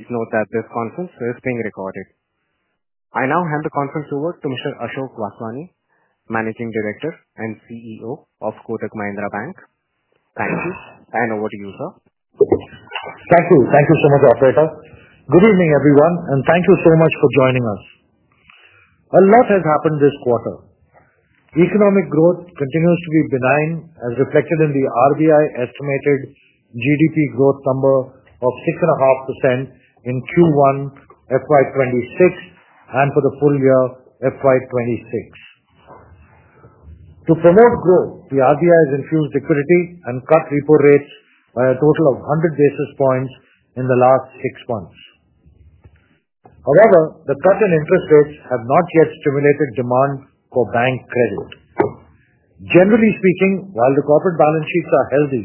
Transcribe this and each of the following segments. Please note that this conference is being recorded. I now hand the conference over to Mr. Ashok Vaswani, Managing Director and CEO of Kotak Mahindra Bank. Thank you, and over to you, sir. Thank you. Thank you so much, Operator. Good evening, everyone, and thank you so much for joining us. A lot has happened this quarter. Economic growth continues to be benign, as reflected in the RBI-estimated GDP growth number of 6.5% in Q1 FY2026 and for the full year FY2026. To promote growth, the RBI has infused liquidity and cut repo rates by a total of 100 basis points in the last six months. However, the cut in interest rates has not yet stimulated demand for bank credit. Generally speaking, while the corporate balance sheets are healthy,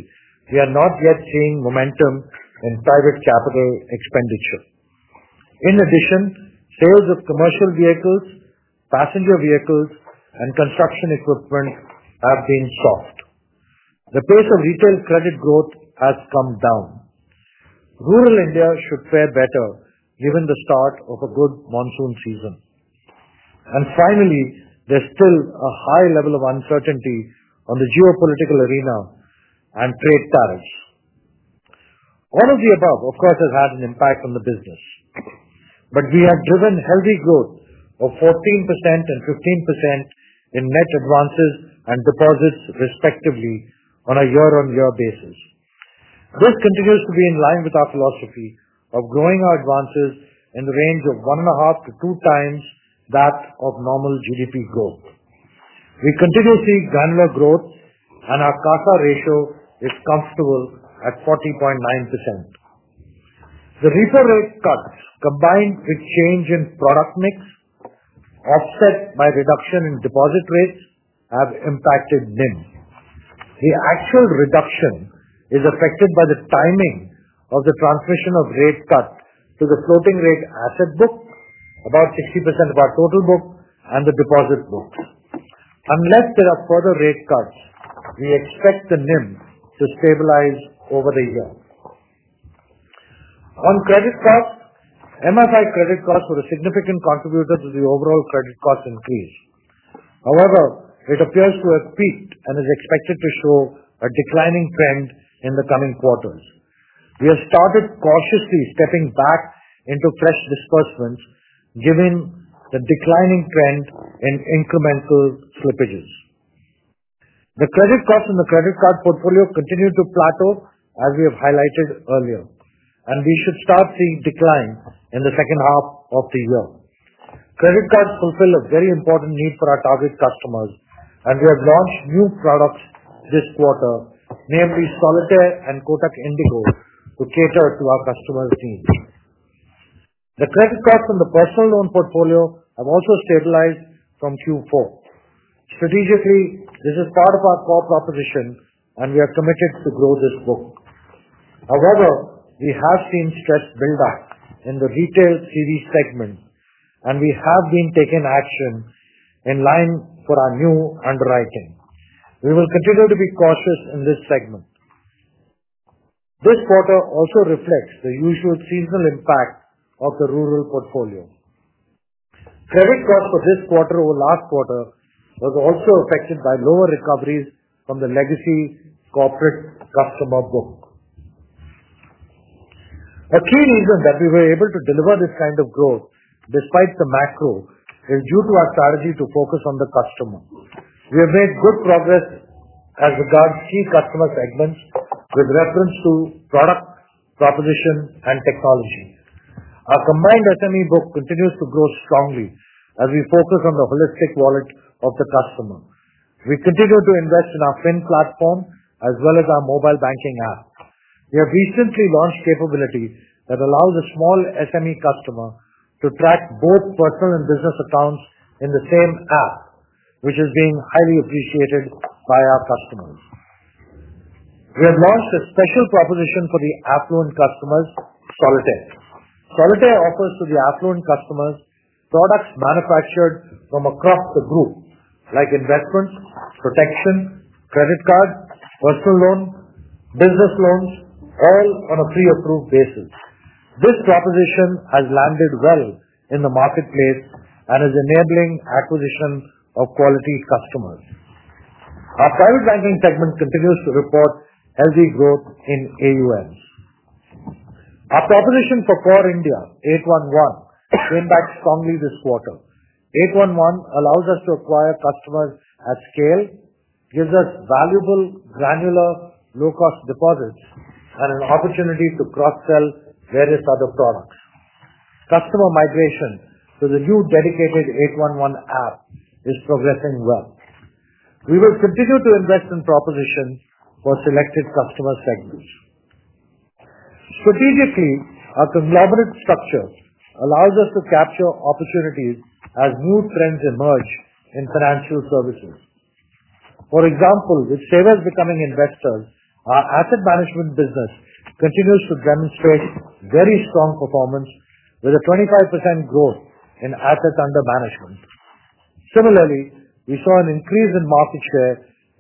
we are not yet seeing momentum in private capital expenditure. In addition, sales of commercial vehicles, passenger vehicles, and construction equipment have been soft. The pace of retail credit growth has come down. Rural India should fare better given the start of a good monsoon season. Finally, there is still a high level of uncertainty on the geopolitical arena and trade tariffs. All of the above, of course, has had an impact on the business. We have driven healthy growth of 14% and 15% in net advances and deposits, respectively, on a year-on-year basis. This continues to be in line with our philosophy of growing our advances in the range of one and a half to two times that of normal GDP growth. We continue to see granular growth, and our CASA ratio is comfortable at 40.9%. The repo rate cuts, combined with change in product mix, offset by reduction in deposit rates, have impacted NIM. The actual reduction is affected by the timing of the transmission of rate cut to the floating rate asset book, about 60% of our total book, and the deposit books. Unless there are further rate cuts, we expect the NIM to stabilize over the year. On credit costs, MFI credit costs were a significant contributor to the overall credit cost increase. However, it appears to have peaked and is expected to show a declining trend in the coming quarters. We have started cautiously stepping back into fresh disbursements, given the declining trend in incremental slippages. The credit costs in the credit card portfolio continue to plateau, as we have highlighted earlier, and we should start seeing decline in the second half of the year. Credit cards fulfill a very important need for our target customers, and we have launched new products this quarter, namely Solitaire and Kotak Indigo, to cater to our customers' needs. The credit costs in the personal loan portfolio have also stabilized from Q4. Strategically, this is part of our core proposition, and we are committed to grow this book. However, we have seen stress build-up in the retail CD segment, and we have been taking action in line for our new underwriting. We will continue to be cautious in this segment. This quarter also reflects the usual seasonal impact of the rural portfolio. Credit costs for this quarter over last quarter were also affected by lower recoveries from the legacy corporate customer book. A key reason that we were able to deliver this kind of growth, despite the macro, is due to our strategy to focus on the customer. We have made good progress as regards key customer segments with reference to product proposition and technology. Our combined SME book continues to grow strongly as we focus on the holistic wallet of the customer. We continue to invest in our FIN platform as well as our mobile banking app. We have recently launched capability that allows a small SME customer to track both personal and business accounts in the same app, which is being highly appreciated by our customers. We have launched a special proposition for the affluent customers, Solitaire. Solitaire offers to the affluent customers products manufactured from across the group, like investments, protection, credit card, personal loan, business loans, all on a pre-approved basis. This proposition has landed well in the marketplace and is enabling acquisition of quality customers. Our private banking segment continues to report healthy growth in AUMs. Our proposition for Core India, 811, came back strongly this quarter. 811 allows us to acquire customers at scale, gives us valuable granular low-cost deposits, and an opportunity to cross-sell various other products. Customer migration to the new dedicated 811 app is progressing well. We will continue to invest in propositions for selected customer segments. Strategically, our conglomerate structure allows us to capture opportunities as new trends emerge in financial services. For example, with savers becoming investors, our asset management business continues to demonstrate very strong performance with a 25% growth in assets under management. Similarly, we saw an increase in market share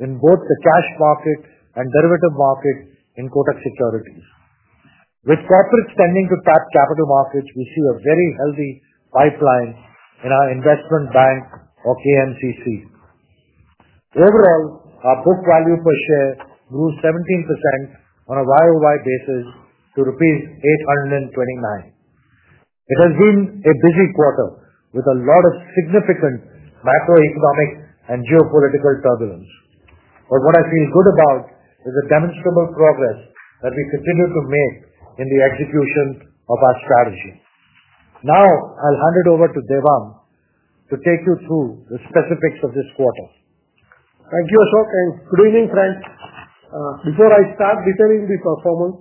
in both the cash market and derivative market in Kotak Securities. With corporate spending to tap capital markets, we see a very healthy pipeline in our investment bank, or KMCC. Overall, our book value per share grew 17% on a YoY basis to rupees 829. It has been a busy quarter with a lot of significant macroeconomic and geopolitical turbulence. What I feel good about is the demonstrable progress that we continue to make in the execution of our strategy. Now, I'll hand it over to Devang to take you through the specifics of this quarter. Thank you, Ashok. And good evening, friends. Before I start detailing the performance,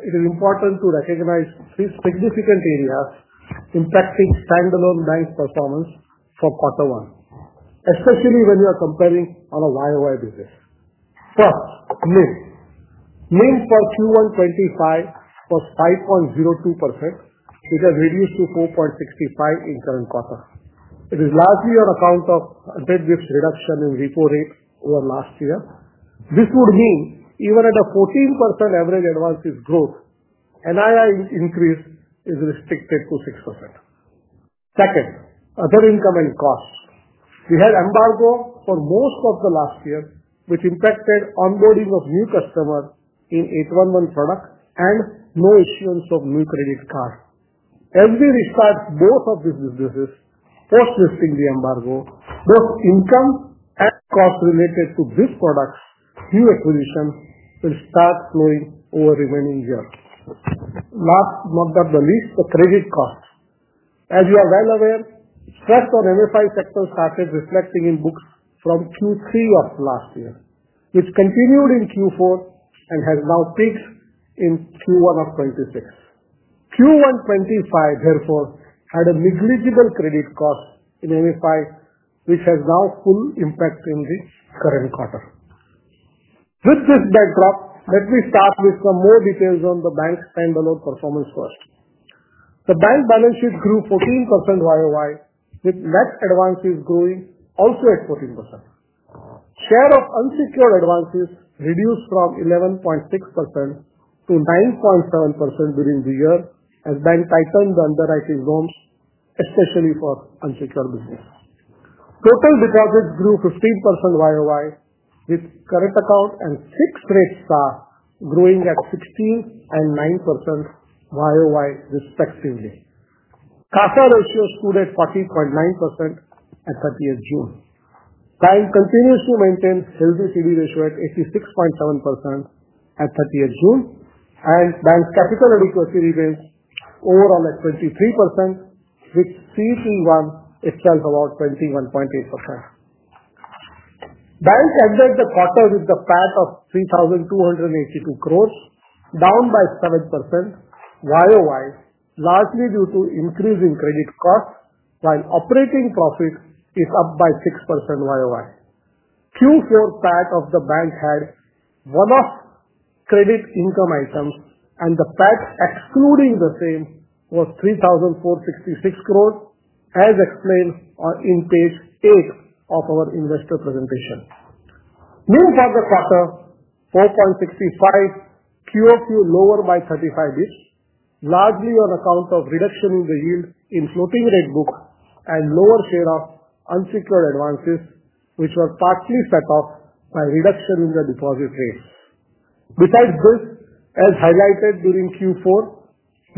it is important to recognize three significant areas impacting standalone bank performance for quarter one, especially when you are comparing on a YoY basis. First, NIM. NIM for Q1 2025 was 5.02%, which has reduced to 4.65% in current quarter. It is largely on account of Aditi's reduction in repo rate over last year. This would mean even at a 14% average advances growth, NII increase is restricted to 6%. Second, other income and costs. We had embargo for most of the last year, which impacted onboarding of new customers in 811 products and no issuance of new credit cards. As we restart both of these businesses, post-listing the embargo, both income and costs related to these products, new acquisitions will start flowing over the remaining year. Last but not the least, the credit costs. As you are well aware, stress on MFI sector started reflecting in books from Q3 of last year, which continued in Q4 and has now peaked in Q1 of 2026. Q1 '25, therefore, had a negligible credit cost in MFI, which has now full impact in the current quarter. With this backdrop, let me start with some more details on the bank standalone performance first. The bank balance sheet grew 14% YoY, with net advances growing also at 14%. Share of unsecured advances reduced from 11.6% to 9.7% during the year as bank tightened the underwriting norms, especially for unsecured business. Total deposits grew 15% YoY, with current account and fixed rate SAR growing at 16% and 9% YoY, respectively. CASA ratio stood at 40.9% at 30th June. Bank continues to maintain healthy CD ratio at 86.7% at 30th June, and bank capital adequacy remains overall at 23%, with CET1 itself about 21.8%. Bank ended the quarter with the PAT of 3,282 crore, down by 7% YoY, largely due to increasing credit costs, while operating profit is up by 6% YoY. Q4 PAT of the bank had one-off credit income items, and the PAT excluding the same was 3,466 crore, as explained on page 8 of our investor presentation. NIM for the quarter, 4.65, QoQ lower by 35-ish, largely on account of reduction in the yield in floating rate book and lower share of unsecured advances, which were partly set off by reduction in the deposit rates. Besides this, as highlighted during Q4,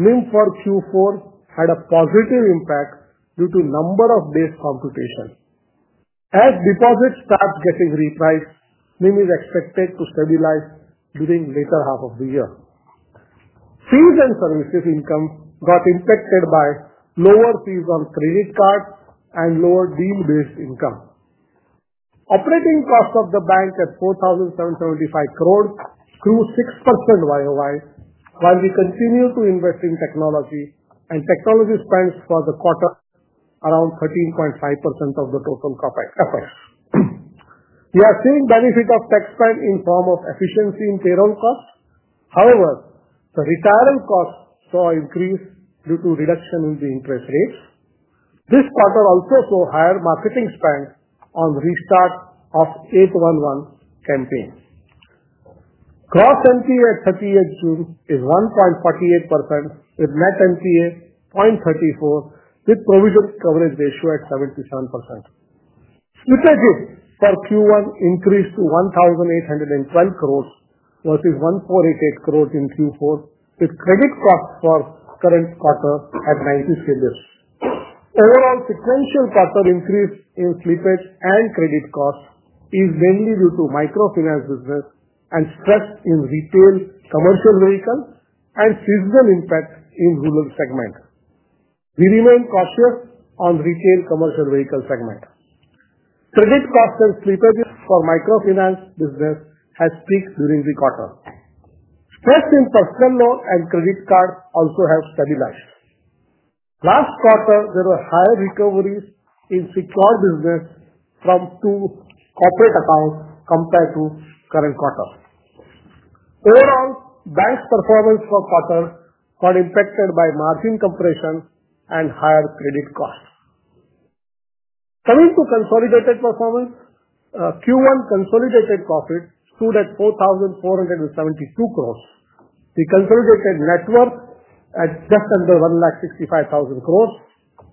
NIM for Q4 had a positive impact due to number of days computation. As deposits start getting repriced, NIM is expected to stabilize during the later half of the year. Fees and services income got impacted by lower fees on credit cards and lower deal-based income. Operating cost of the bank at 4,775 crore grew 6% YoY, while we continue to invest in technology, and technology spends for the quarter around 13.5% of the total effort. We are seeing benefit of tech spend in form of efficiency in payroll costs. However, the retirement costs saw increase due to reduction in the interest rates. This quarter also saw higher marketing spend on restart of 811 campaign. Gross NPA at 30th June is 1.48%, with net NPA 0.34%, with provision coverage ratio at 77%. Slippage for Q1 increased to 1,812 crore versus 1,488 crore in Q4, with credit costs for current quarter at 90 basis points. Overall, sequential quarter increase in slippage and credit costs is mainly due to microfinance business and stress in retail commercial vehicle and seasonal impact in rural segment. We remain cautious on retail commercial vehicle segment. Credit costs and slippage for microfinance business has peaked during the quarter. Stress in personal loan and credit card also has stabilized. Last quarter, there were higher recoveries in secure business from two corporate accounts compared to current quarter. Overall, bank's performance for quarter got impacted by margin compression and higher credit costs. Coming to consolidated performance, Q1 consolidated profit stood at 4,472 crore. We consolidated net worth at just under 1,65,000 crore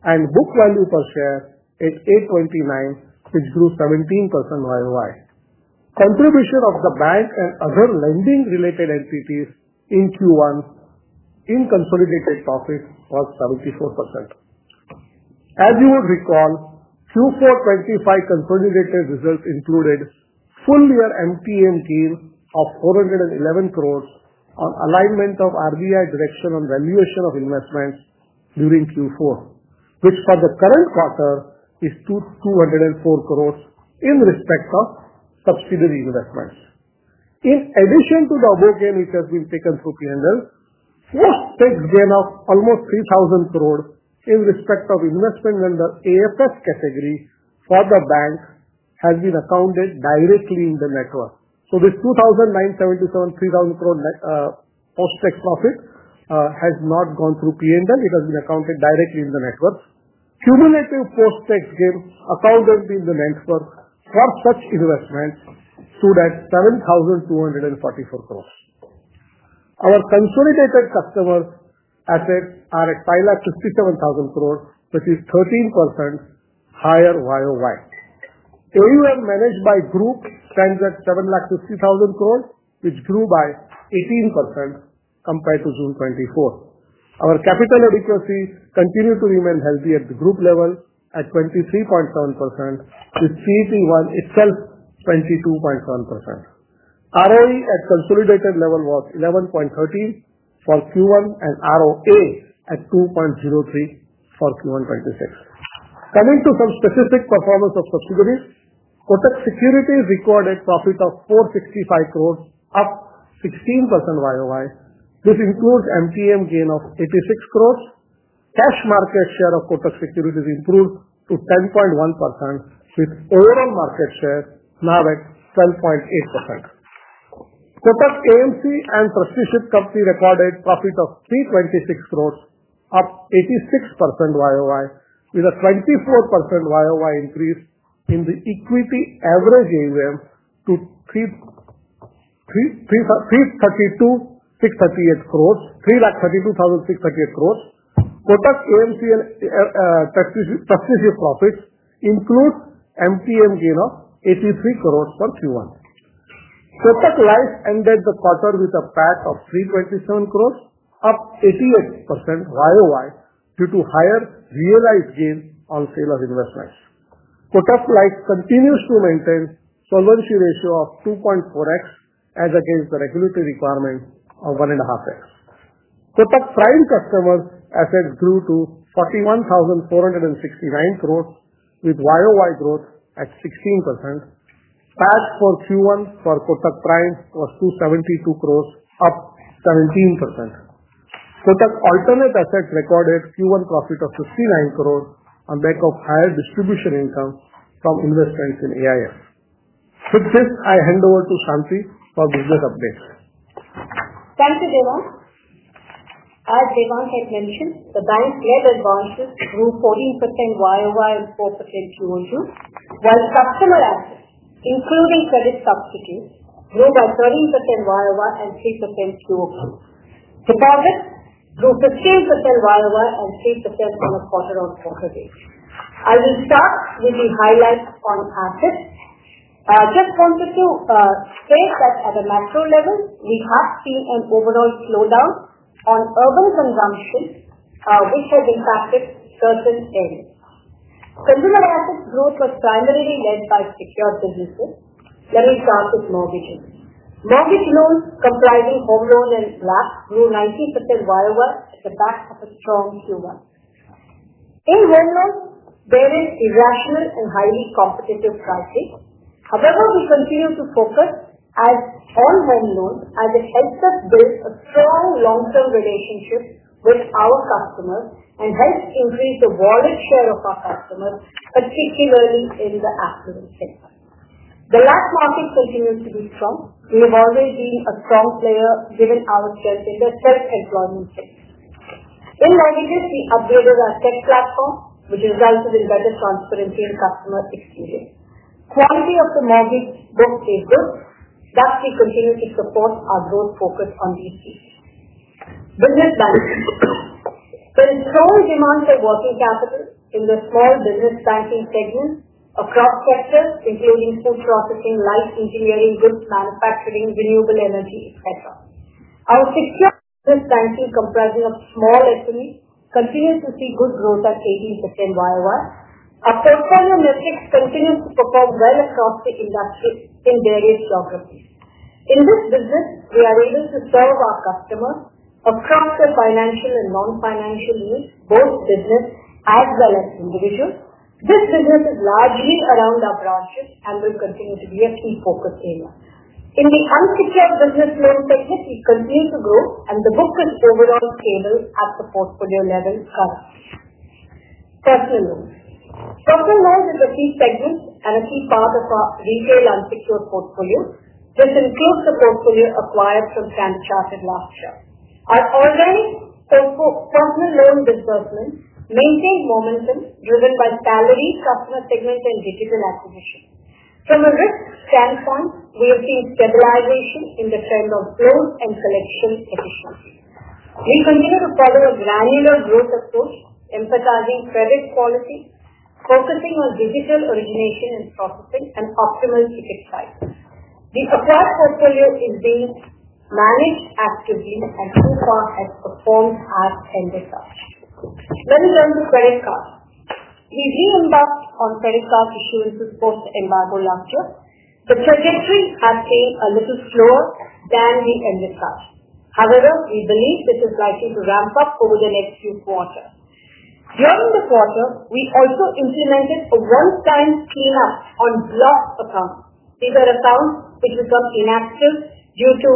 and book value per share at 829, which grew 17% YoY. Contribution of the bank and other lending-related entities in Q1 in consolidated profit was 74%. As you would recall, Q4 2025 consolidated results included full year mark-to-market gain of 411 crore on alignment of RBI direction on valuation of investments during Q4, which for the current quarter is 204 crore in respect of subsidiary investments. In addition to the above gain, which has been taken through P&L, post-fixed gain of almost 3,000 crore in respect of investment under AFS category for the bank has been accounted directly in the net worth. So this 2,977 crore, INR 3,000 crore post-fixed profit has not gone through P&L. It has been accounted directly in the net worth. Cumulative post-fixed gain accounted in the net worth for such investments stood at 7,244 crore. Our consolidated customer assets are at 5,57,000 crore, which is 13% higher YoY. AUM managed by group stands at 7,50,000 crore, which grew by 18% compared to June 2024. Our capital adequacy continued to remain healthy at the group level at 23.7%, with CT1 itself 22.7%. ROE at consolidated level was 11.30% for Q1 and ROA at 2.03% for Q1 2026. Coming to some specific performance of subsidiaries, Kotak Securities recorded profit of 465 crore, up 16% YoY. This includes mark-to-market gain of INR 86 crore. Cash market share of Kotak Securities improved to 10.1%, with overall market share now at 12.8%. Kotak AMC and Trustee Company recorded profit of 326 crore, up 86% YoY, with a 24% YoY increase in the equity average AUM to INR 3,32,638 crore. Kotak AMC and Trustee Company profits include mark-to-market gain of 83 crore for Q1. Kotak Life ended the quarter with a PAT of INR 327 crore, up 88% YoY due to higher realized gain on sale of investments. Kotak Life continues to maintain solvency ratio of 2.4x as against the regulatory requirement of 1.5x. Kotak Prime customers' assets grew to 41,469 crore, with YoY growth at 16%. PAT for Q1 for Kotak Prime was 272 crore, up 17%. Kotak Alternate Assets recorded Q1 profit of 59 crore on back of higher distribution income from investments in AIFs. With this, I hand over to Shanti for business updates. Thank you, Devang. As Devang had mentioned, the bank's net advances grew 14% YoY and 4% QoQ, while customer assets, including credit substitutes, grew by 30% YoY and 3% QoQ. Deposits grew 15% YoY and 3% on a quarter-on-quarter basis. I will start with the highlights on assets. I just wanted to say that at a macro level, we have seen an overall slowdown on urban consumption, which has impacted certain areas. Consumer asset growth was primarily led by secured businesses, such as mortgages. Mortgage loans, comprising home loan and BLAC, grew 90% YoY at the back of a strong Q1. In home loans, there is irrational and highly competitive pricing. However, we continue to focus on home loans as it helps us build a strong long-term relationship with our customers and helps increase the wallet share of our customers, particularly in the after-market. The land market continues to be strong. We have always been a strong player given our strength in the self-employment sector. In mortgages, we upgraded our tech platform, which resulted in better transparency and customer experience. Quality of the mortgage books stayed good. Thus, we continue to support our growth focus on these pieces. Business banking. There is strong demand for working capital in the small business banking segment across sectors, including food processing, light engineering, goods manufacturing, renewable energy, etc. Our secure business banking, comprising of small SMEs, continues to see good growth at 18% YoY. Our portfolio metrics continue to perform well across the industry in various geographies. In this business, we are able to serve our customers across their financial and non-financial needs, both business as well as individual. This business is largely around our branches and will continue to be a key focus area. In the unsecured business loan segment, we continue to grow, and the book is overall stable at the portfolio level currently. Personal loans. Personal loans is a key segment and a key part of our retail unsecured portfolio. This includes the portfolio acquired from Kandicharted last year. Our organic. Personal loan disbursement maintained momentum driven by salaried customer segment and digital acquisition. From a risk standpoint, we have seen stabilization in the trend of loan and collection efficiency. We continue to follow a granular growth approach, emphasizing credit quality, focusing on digital origination and processing, and optimal ticket sizes. The acquired portfolio is being managed actively and so far has performed as ended such. Let me turn to credit cards. We reimbursed on credit card issuances post-embargo last year. The trajectory has been a little slower than the ended such. However, we believe this is likely to ramp up over the next few quarters. During the quarter, we also implemented a one-time cleanup on blocked accounts. These are accounts which become inactive due to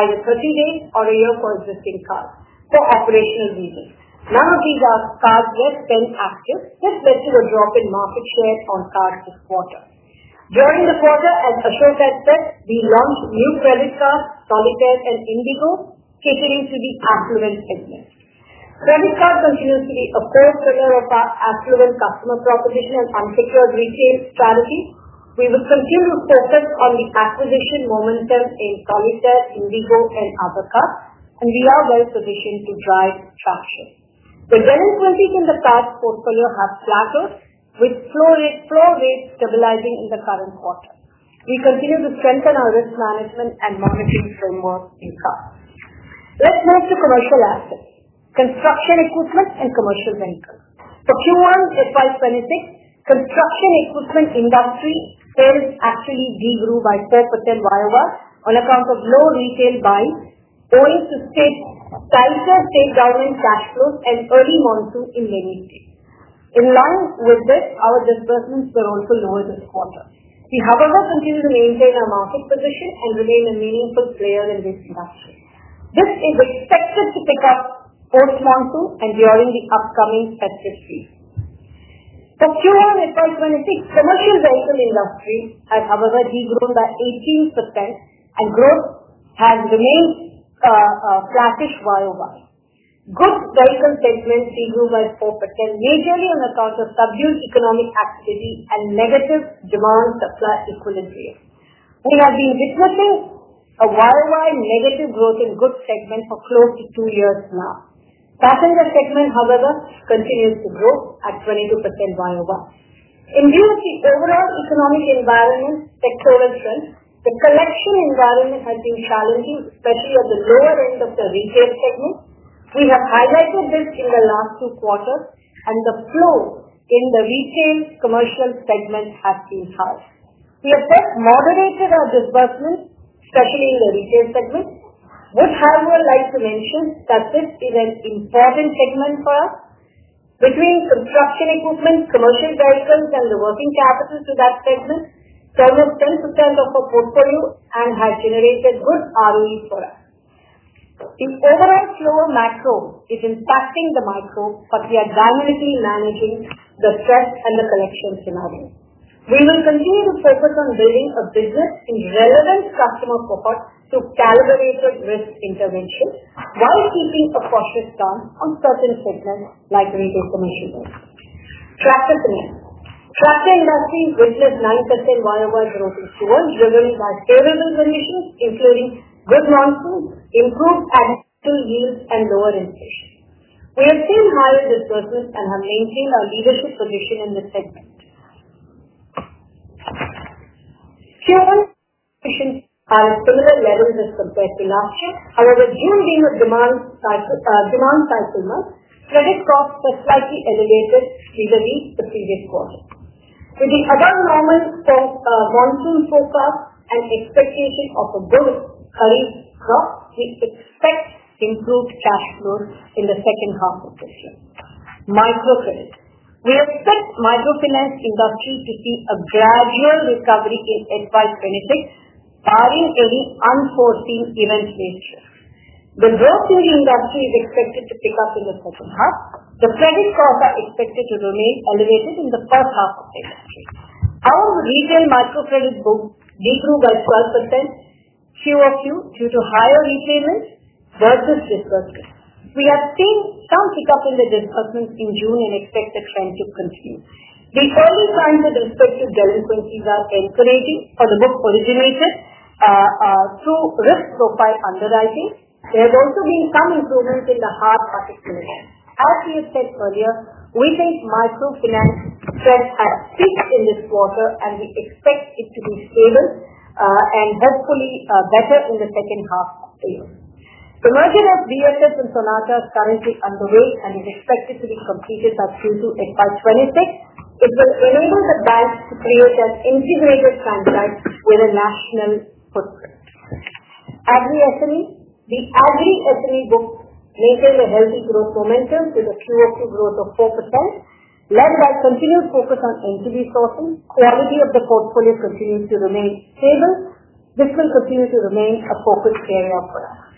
either 30 days or a year for existing cards for operational reasons. None of these cards were then active. This led to a drop in market share on cards this quarter. During the quarter, as Ashok had said, we launched new credit cards, Solitaire and Indigo, catering to the affluent segment. Credit card continues to be a core pillar of our affluent customer proposition and unsecured retail strategy. We will continue to focus on the acquisition momentum in Solitaire, Indigo, and other cards, and we are well positioned to drive traction. The delinquencies in the cards portfolio have flattered, with floor rates stabilizing in the current quarter. We continue to strengthen our risk management and monitoring framework in cards. Let's move to commercial assets, construction equipment, and commercial vehicles. For Q1, it was 26. Construction equipment industry sales actually degrew by 4% YoY on account of low retail buying, owing to tighter state government cash flows and early monsoon in many states. In line with this, our disbursements were also lower this quarter. We, however, continue to maintain our market position and remain a meaningful player in this industry. This is expected to pick up post-monsoon and during the upcoming festive season. For Q1, it was 26. Commercial vehicle industry has, however, degrew by 18%, and growth has remained flat-ish YoY. Goods vehicle segment degrew by 4%, majorly on account of subdued economic activity and negative demand-supply equilibrium. We have been witnessing a YoY negative growth in goods segment for close to two years now. Passenger segment, however, continues to grow at 22% YoY. In view of the overall economic environment sectoral trend, the collection environment has been challenging, especially at the lower end of the retail segment. We have highlighted this in the last two quarters, and the flow in the retail commercial segment has been hard. We have just moderated our disbursements, especially in the retail segment. Would, however, like to mention that this is an important segment for us. Between construction equipment, commercial vehicles, and the working capital to that segment, it's almost 10% of our portfolio and has generated good ROE for us. The overall slower macro is impacting the micro, but we are dynamically managing the stress and the collection scenario. We will continue to focus on building a business in relevant customer support through calibrated risk intervention while keeping a cautious stance on certain segments like retail commercial vehicles. Tractor Finance. Tractor industry witnessed 9% YoY growth in Q1, driven by favorable conditions, including good monsoons, improved annual yields, and lower inflation. We have seen higher disbursements and have maintained our leadership position in this segment. Q1 are at similar levels as compared to last year. However, due being a demand cycle month, credit costs were slightly elevated, leaving me the previous quarter. With the above-normal monsoon forecast and expectation of a good hurry crop, we expect improved cash flows in the second half of this year. Micro credit. We expect microfinance industry to see a gradual recovery in FY2026, barring any unforeseen event-based risks. The growth in the industry is expected to pick up in the second half. The credit costs are expected to remain elevated in the first half of the industry. Our retail microcredit books degrew by 12% QoQ due to higher repayments versus disbursements. We have seen some pickup in the disbursements in June and expect the trend to continue. The early signs of respective delinquencies are encouraging for the book originated through risk profile underwriting. There has also been some improvement in the hard asset management. As we have said earlier, we think microfinance trends have peaked in this quarter, and we expect it to be stable and hopefully better in the second half of the year. The merger of BFS and Sonata Finance is currently underway and is expected to be completed by Q2, FY2026. It will enable the bank to create an integrated franchise with a national footprint. Agri SME. The agri SME books maintain a healthy growth momentum with a QoQ growth of 4%, led by continued focus on entity sourcing. Quality of the portfolio continues to remain stable. This will continue to remain a focus area for us.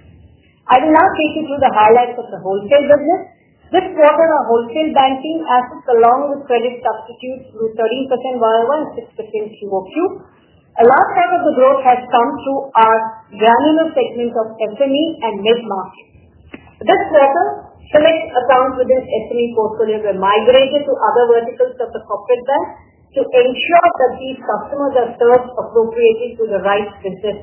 I will now take you through the highlights of the wholesale business. This quarter, our wholesale banking assets, along with credit substitutes, grew 13% YoY and 6% QoQ. A large part of the growth has come through our granular segment of SME and mid-market. This quarter, select accounts within SME portfolio were migrated to other verticals of the corporate bank to ensure that these customers are served appropriately through the right business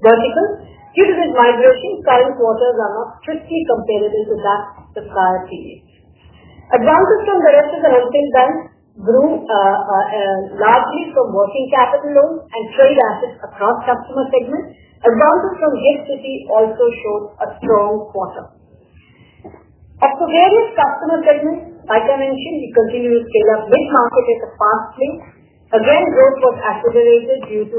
vertical. Due to this migration, current quarters are not strictly comparable to that prior period. Advances from the rest of the wholesale bank grew largely from working capital loans and trade assets across customer segments. Advances from GIFT City also showed a strong quarter. Of the various customer segments, like I mentioned, we continue to scale up mid-market at a fast pace. Again, growth was accelerated due to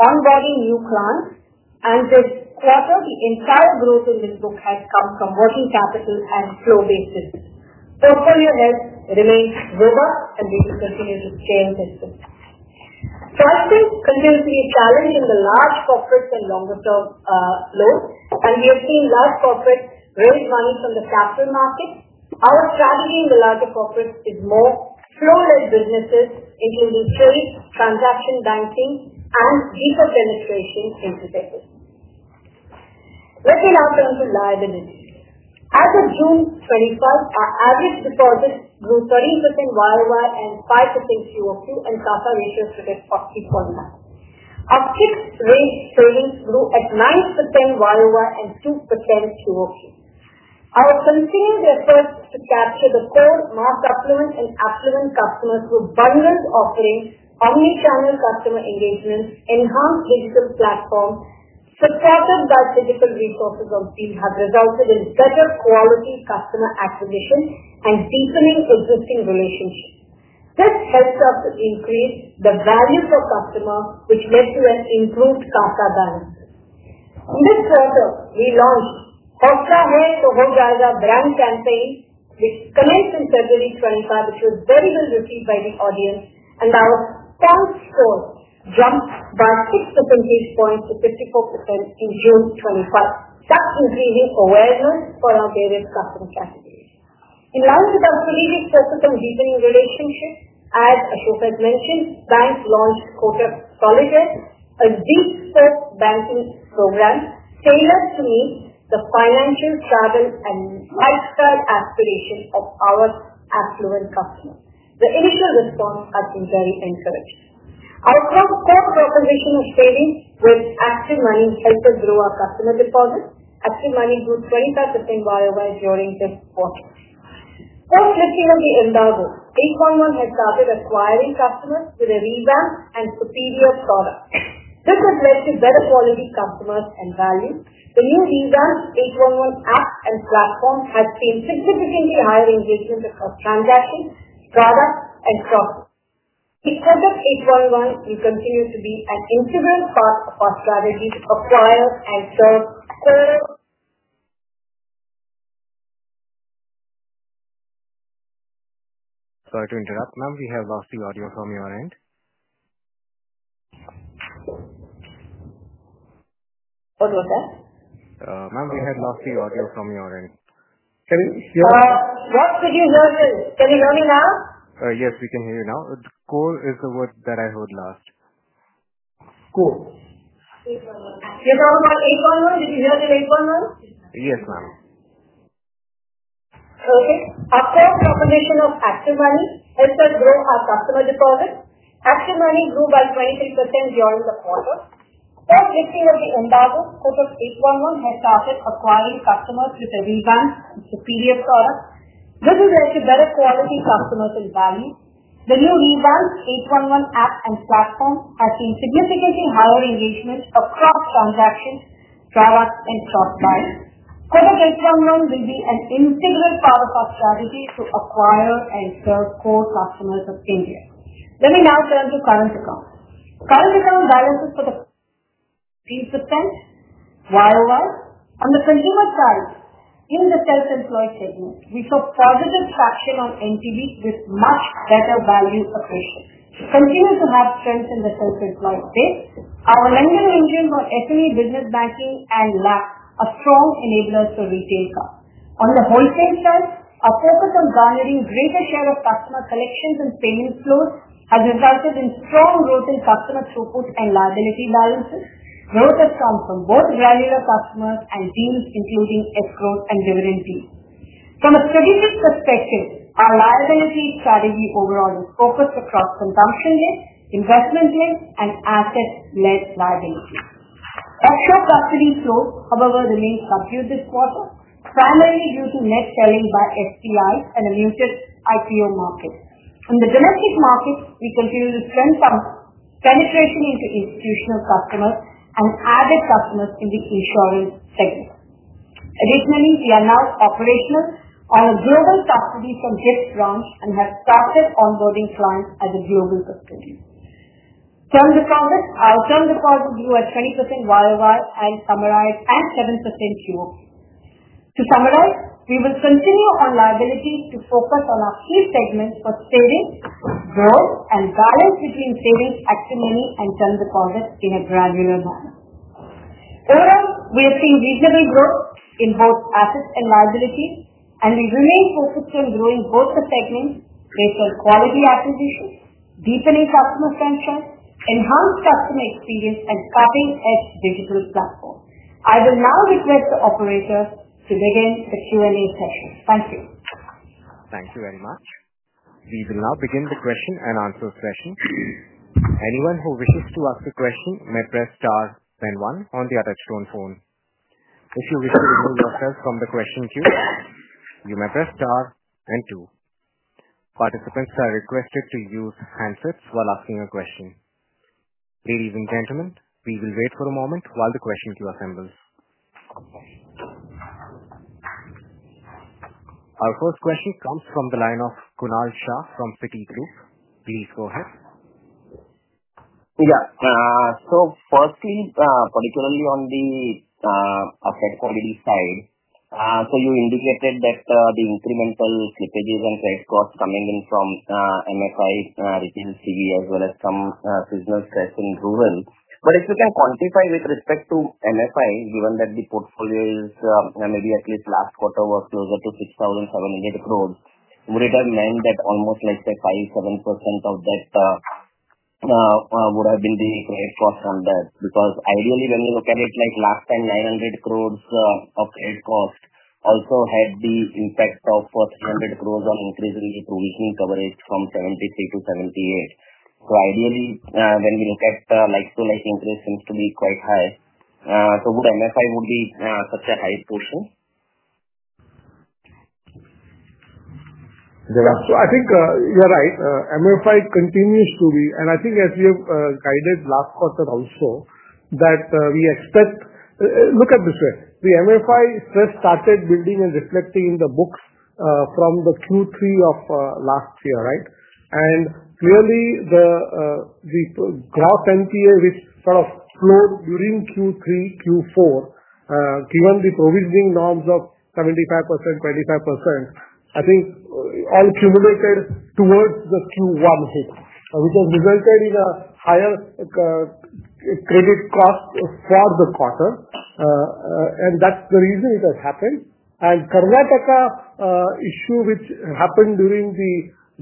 onboarding new clients, and this quarter, the entire growth in this book has come from working capital and flow-based business. Portfolio has remained robust, and we will continue to scale this business. Pricing continues to be a challenge in the large corporates and longer-term loans, and we have seen large corporates raise money from the capital market. Our strategy in the larger corporates is more flow-led businesses, including trade, transaction banking, and deeper penetration into business. Let me now turn to liabilities. As of June 25, our average deposits grew 13% YoY and 5% QoQ, and CASA ratio stood at 49%. Our fixed-rate savings grew at 9% YoY and 2% QoQ. Our continued efforts to capture the core mass affluent and affluent customers through abundant offerings, omnichannel customer engagement, enhanced digital platforms, supported by physical resources on field, have resulted in better quality customer acquisition and deepening existing relationships. This helps us to increase the value for customers, which led to an improved CASA balance. This quarter, we launched Hosrahe Tohu Jayaga brand campaign, which commenced in February 25, which was very well received by the audience, and our point score jumped by 6 percentage points to 54% in June 25, thus increasing awareness for our various customer categories. In line with our strategic focus on deepening relationships, as Ashok had mentioned, the bank launched Quarter Solidarity, a deep-focused banking program tailored to meet the financial, travel, and lifestyle aspirations of our affluent customers. The initial responses have been very encouraging. Our core proposition of savings with Active Money helped us grow our customer deposits. Active Money grew 25% YOY during this quarter. Post-lifting of the embargo, 811 has started acquiring customers with a revamped and superior product. This has led to better quality customers and value. The new revamped 811 app and platform has seen significantly higher engagement across transactions, products, and crosses. The Quarter 811 will continue to be an integral part of our strategy to acquire and serve core. Sorry to interrupt, ma'am. We have lost the audio from your end. What was that? Ma'am, we have lost the audio from your end. Can you hear me? What could you hear me? Can you hear me now? Yes, we can hear you now. Core is the word that I heard last. Core. You're talking about 811? Did you hear the 811? Yes, ma'am. Okay. Our core proposition of Active Money helped us grow our customer deposits. Active Money grew by 23% during the quarter. Post-lifting of the embargo, Quarter 811 has started acquiring customers with a revamped and superior product. This has led to better quality customers and value. The new revamped 811 app and platform has seen significantly higher engagement across transactions, products, and cross-buying. Quarter 811 will be an integral part of our strategy to acquire and serve core customers of India. Let me now turn to current accounts. Current account balance is for the. 13% YOY. On the consumer side, in the self-employed segment, we saw positive traction on NTB with much better value accretion. Continues to have strength in the self-employed base. Our vendor engines on SME business banking and labs are strong enablers for retail cards. On the wholesale side, our focus on garnering greater share of customer collections and payment flows has resulted in strong growth in customer throughput and liability balances. Growth has come from both granular customers and deals, including escrow and dividend deals. From a strategic perspective, our liability strategy overall is focused across consumption-led, investment-led, and asset-led liability. Extra custody flows, however, remain subdued this quarter, primarily due to net selling by FPI and a muted IPO market. In the domestic market, we continue to strengthen penetration into institutional customers and added customers in the insurance segment. Additionally, we are now operational on a global custody from GIFT branch and have started onboarding clients as a global custodian. Our term deposits grew at 20% YOY and 7% QOQ. To summarize, we will continue on liabilities to focus on our key segments for savings, growth, and balance between savings, active money, and term deposits in a granular manner. Overall, we have seen reasonable growth in both assets and liabilities, and we remain focused on growing both the segments based on quality acquisition, deepening customer friendship, enhanced customer experience, and cutting-edge digital platform. I will now request the operator to begin the Q&A session. Thank you. Thank you very much. We will now begin the question and answer session. Anyone who wishes to ask a question may press star and one on the attached phone. If you wish to remove yourself from the question queue, you may press star and two. Participants are requested to use handsets while asking a question. Ladies and gentlemen, we will wait for a moment while the question queue assembles. Our first question comes from the line of Kunal Shah from Citigroup. Please go ahead. Yeah. So firstly, particularly on the asset quality side, you indicated that the incremental slippages and credit costs coming in from MFI, retail CV, as well as some seasonal stress in rural. If you can quantify with respect to MFI, given that the portfolio is maybe at least last quarter was closer to 6,700 crore, would it have meant that almost like 5%-7% of that would have been the credit cost on that? Because ideally, when we look at it like last time, 900 crore of credit cost also had the impact of 300 crore on increasing provisioning coverage from 73% to 78%. Ideally, when we look at like-to-like increase, seems to be quite high. Would MFI be such a high portion? I think you're right. MFI continues to be, and I think as we have guided last quarter also that we expect, look at this way. The MFI stress started building and reflecting in the books from the Q3 of last year, right? Clearly, the gross NPA, which sort of flowed during Q3, Q4. Given the provisioning norms of 75%, 25%, I think all accumulated towards the Q1 hit, which has resulted in a higher credit cost for the quarter. That is the reason it has happened. The Karnataka issue, which happened during the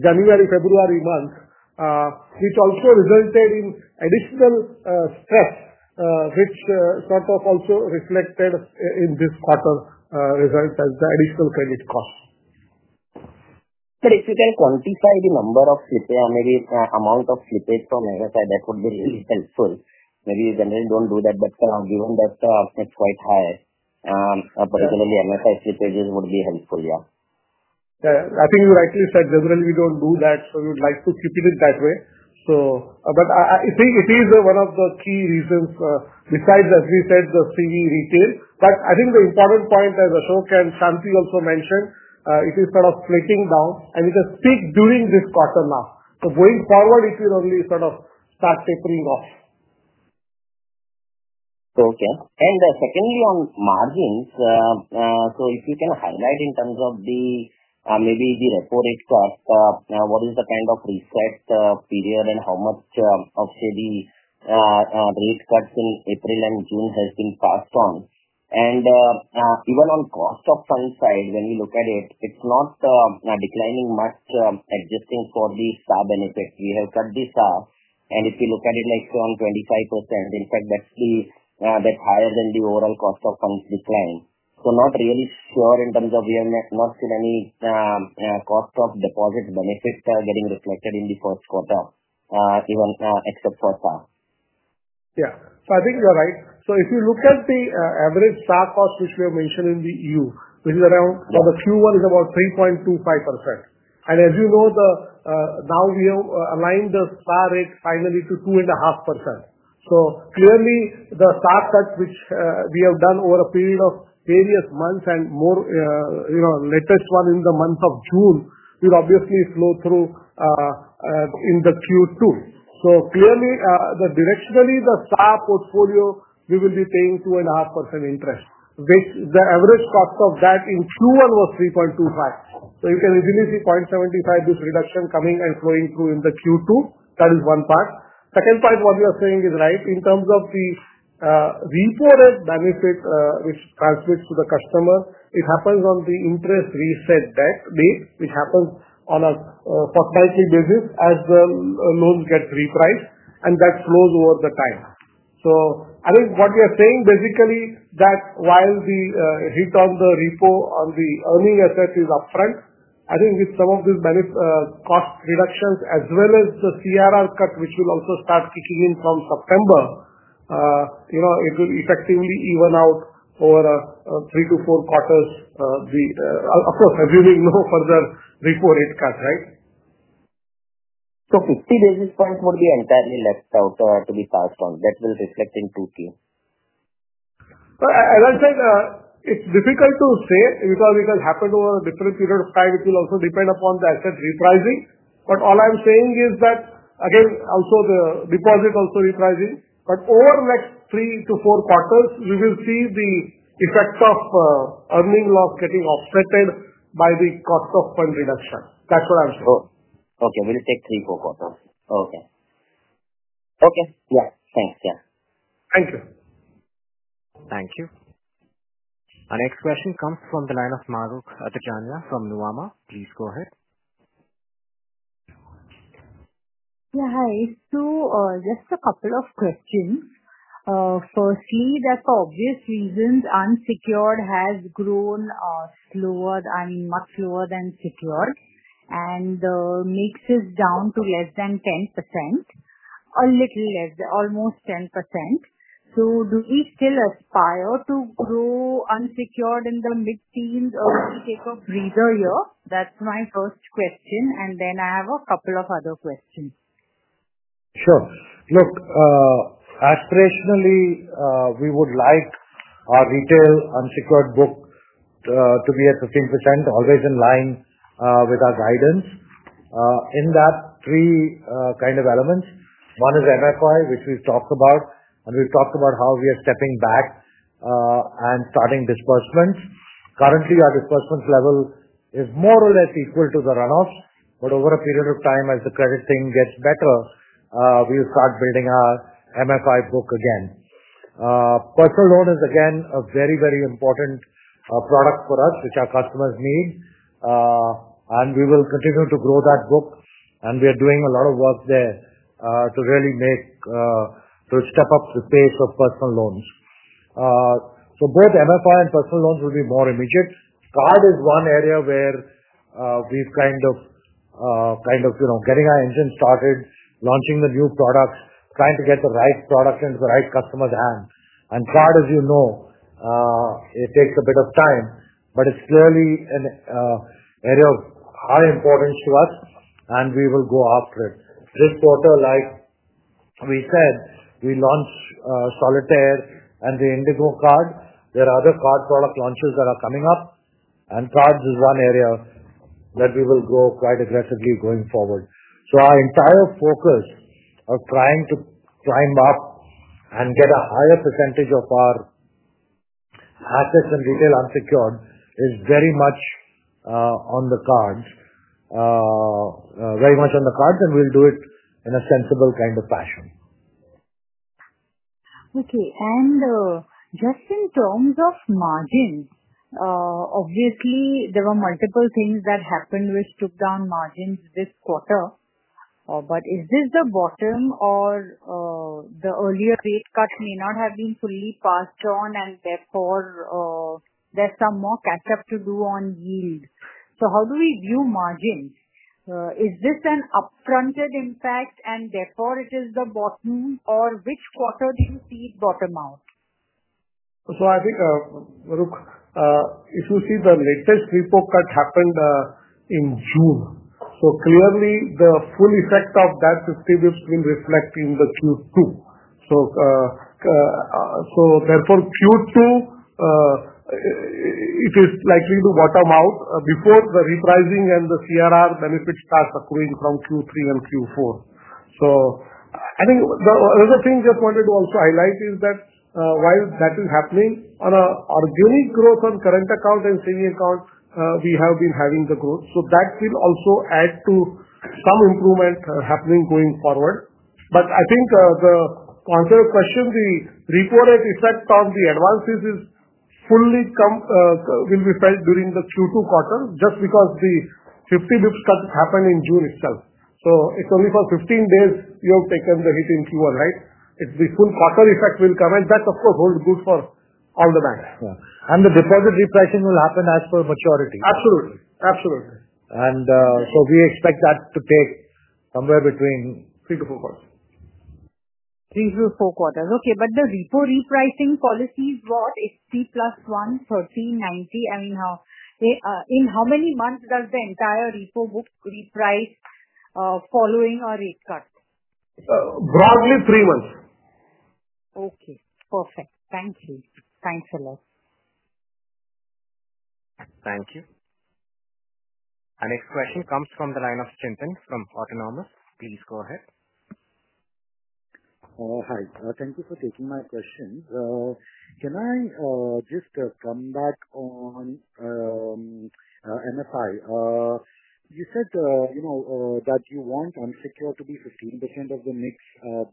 January, February month, also resulted in additional stress, which sort of also reflected in this quarter result as the additional credit cost. If you can quantify the number of slippage, I mean, the amount of slippage from MFI, that would be really helpful. Maybe you generally don't do that, but given that it's quite high. Particularly MFI slippages would be helpful, yeah. I think you rightly said. Generally, we don't do that, so we would like to keep it that way. I think it is one of the key reasons, besides, as we said, the CV retail. But I think the important point, as Ashok and Shanti also mentioned, it is sort of sliding down, and it has peaked during this quarter now. Going forward, it will only sort of start tapering off. Okay. Secondly, on margins. If you can highlight in terms of maybe the reported cost, what is the kind of reset period and how much of the rate cuts in April and June has been passed on? Even on cost of fund side, when we look at it, it is not declining much adjusting for the SAR benefit. We have cut the SAR, and if you look at it like on 25%, in fact, that is higher than the overall cost of fund decline. Not really sure in terms of we have not seen any cost of deposit benefit getting reflected in the first quarter, even except for SAR. Yeah. I think you are right. If you look at the average SAR cost, which we have mentioned in the EU, which is around for the Q1, is about 3.25%. As you know, now we have aligned the SAR rate finally to 2.5%. Clearly, the SAR cut, which we have done over a period of various months and more, latest one in the month of June, will obviously flow through in the Q2. Clearly, directionally, the SAR portfolio, we will be paying 2.5% interest, which the average cost of that in Q1 was 3.25%. You can easily see 0.75% reduction coming and flowing through in the Q2. That is one part. Second part, what you are saying is right. In terms of the reported benefit, which transfers to the customer, it happens on the interest reset date, which happens on a fortnightly basis as the loans get repriced, and that flows over the time. I think what we are saying, basically, that while the hit on the repo on the earning asset is upfront, I think with some of these cost reductions, as well as the CRR cut, which will also start kicking in from September, it will effectively even out over three to four quarters. Of course, assuming no further reported cuts, right? So 50 basis points would be entirely left out to be passed on. That will reflect in Q2. As I said, it is difficult to say because it has happened over a different period of time. It will also depend upon the asset repricing. All I am saying is that, again, also the deposit also repricing. Over the next three to four quarters, we will see the effect of earning loss getting offset by the cost of fund reduction. That is what I am saying. Okay. We will take hree to four quarters. Okay. Okay. Yeah. Thanks. Yeah. Thank you. Thank you. Our next question comes from the line of Mahrukh Adajania from Nuvama. Please go ahead. Yeah. Hi. Just a couple of questions. Firstly, that is obvious reasons. Unsecured has grown slower, I mean, much slower than secured, and makes it down to less than 10%. A little less, almost 10%. Do we still aspire to grow unsecured in the mid-teens or take a breather year? That is my first question. I have a couple of other questions. Sure. Look. Aspirationally, we would like our retail unsecured book to be at 15%, always in line with our guidance. In that, three kind of elements, one is MFI, which we have talked about, and we have talked about how we are stepping back and starting disbursements. Currently, our disbursement level is more or less equal to the runoffs, but over a period of time, as the credit thing gets better, we will start building our MFI book again. Personal loan is, again, a very, very important product for us, which our customers need, and we will continue to grow that book, and we are doing a lot of work there to really make, to step up the pace of personal loans. Both MFI and personal loans will be more immediate. Card is one area where we have kind of, kind of getting our engine started, launching the new products, trying to get the right product into the right customer's hand. Card, as you know, it takes a bit of time, but it is clearly an area of high importance to us, and we will go after it. This quarter, like we said, we launched Solitaire and the Indigo credit card. There are other card product launches that are coming up, and cards is one area that we will grow quite aggressively going forward. Our entire focus of trying to climb up and get a higher percentage of our assets and retail unsecured is very much on the cards. Very much on the cards, and we will do it in a sensible kind of fashion. Okay. Just in terms of margins, obviously, there were multiple things that happened which took down margins this quarter. Is this the bottom, or the earlier rate cuts may not have been fully passed on, and therefore there is some more catch-up to do on yield? How do we view margins? Is this an upfronted impact, and therefore it is the bottom, or which quarter do you see bottom out? I think if you see, the latest repo cut happened in June, so clearly, the full effect of that 50 basis points will reflect in Q2. Therefore, Q2, it is likely to bottom out before the repricing and the CRR benefits start accruing from Q3 and Q4. The other thing just wanted to also highlight is that while that is happening, on an organic growth on current account and saving account, we have been having the growth. That will also add to some improvement happening going forward. I think the answer to the question, the reported effect on the advances is fully. Will be felt during the Q2 quarter just because the 50 basis points cut happened in June itself. So it's only for 15 days you have taken the hit in Q1, right? The full quarter effect will come, and that, of course, holds good for all the banks. The deposit repricing will happen as per maturity. Absolutely. Absolutely. We expect that to take somewhere between three to four quarters. Three to four quarters. Okay. The repo repricing policy is what? It's 3 plus 1, 1390. I mean, in how many months does the entire repo book reprice following our rate cut? Broadly, three months. Okay. Perfect. Thank you. Thanks a lot. Thank you. Our next question comes from the line of Chintan from Autonomous. Please go ahead. Hi. Thank you for taking my question. Can I just come back on MFI? You said that you want unsecured to be 15% of the mix,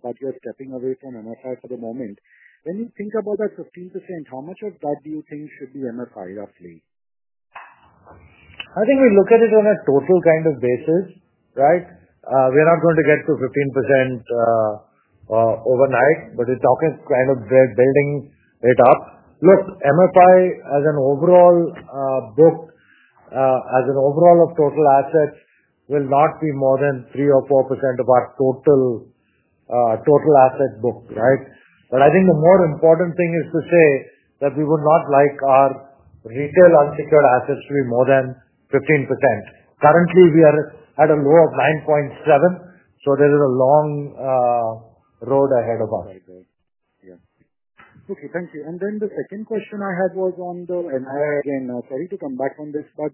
but you're stepping away from MFI for the moment. When you think about that 15%, how much of that do you think should be MFI, roughly? I think we look at it on a total kind of basis, right? We're not going to get to 15% overnight, but we're talking kind of building it up. Look, MFI as an overall book, as an overall of total assets, will not be more than 3% or 4% of our total asset book, right? I think the more important thing is to say that we would not like our retail unsecured assets to be more than 15%. Currently, we are at a low of 9.7, so there is a long road ahead of us. Okay. Thank you. The second question I had was on the MFI. Again, sorry to come back on this, but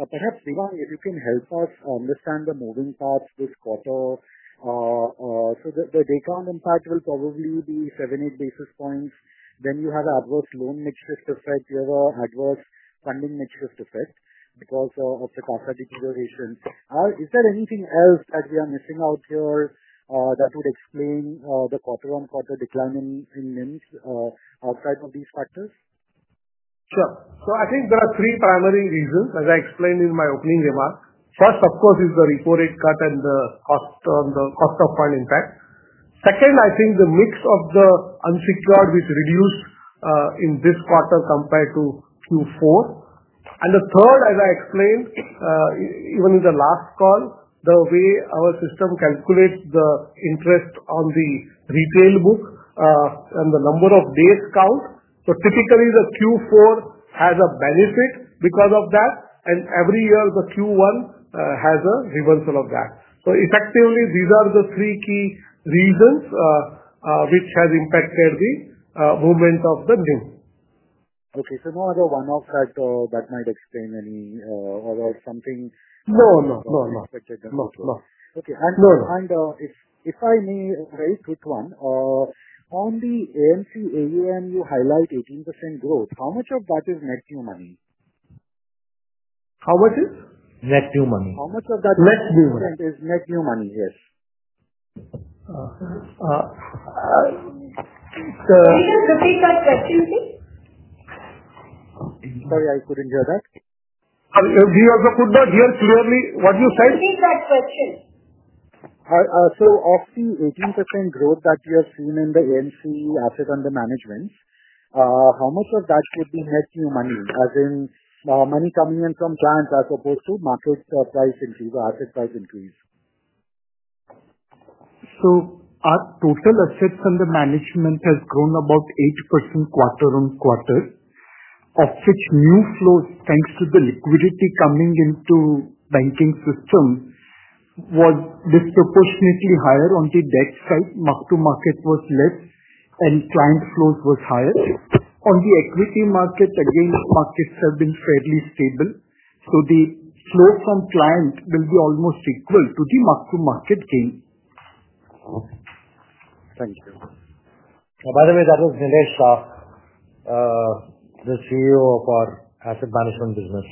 perhaps Devang, if you can help us understand the moving parts this quarter. The day-count impact will probably be 7-8 basis points. Then you have adverse loan mix shift effect. You have adverse funding mix shift effect because of the CASA deterioration. Is there anything else that we are missing out here that would explain the quarter-on-quarter decline in NIM outside of these factors? Sure. I think there are three primary reasons, as I explained in my opening remark. First, of course, is the repo rate cut and the cost of fund impact. Second, I think the mix of the unsecured which reduced in this quarter compared to Q4. The third, as I explained even in the last call, is the way our system calculates the interest on the retail book and the number of days count. Typically, the Q4 has a benefit because of that, and every year, the Q1 has a reversal of that. Effectively, these are the three key reasons which have impacted the movement of the NIM. Okay. So no other one-off factor that might explain any or something? No, no, no. No. No. No. Okay. If I may, very quick one. On the AMC AUM, you highlight 18% growth. How much of that is net new money? How much is net new money? How much of that is net new money? Net new money, yes. Can you just repeat that question, please? Sorry, I could not hear that. We also could not hear clearly what you said. Repeat that question. Of the 18% growth that we have seen in the AMC asset under management, how much of that would be net new money, as in money coming in from grants as opposed to market price increase or asset price increase? Our total assets under management has grown about 8% quarter on quarter, of which new flows, thanks to the liquidity coming into the banking system, was disproportionately higher on the debt side. mark-to-market was less, and client flows were higher. On the equity market, again, markets have been fairly stable, so the flow from client will be almost equal to the mark-to-market gain. Thank you. By the way, that was Nilesh Shah, the CEO of our asset management business.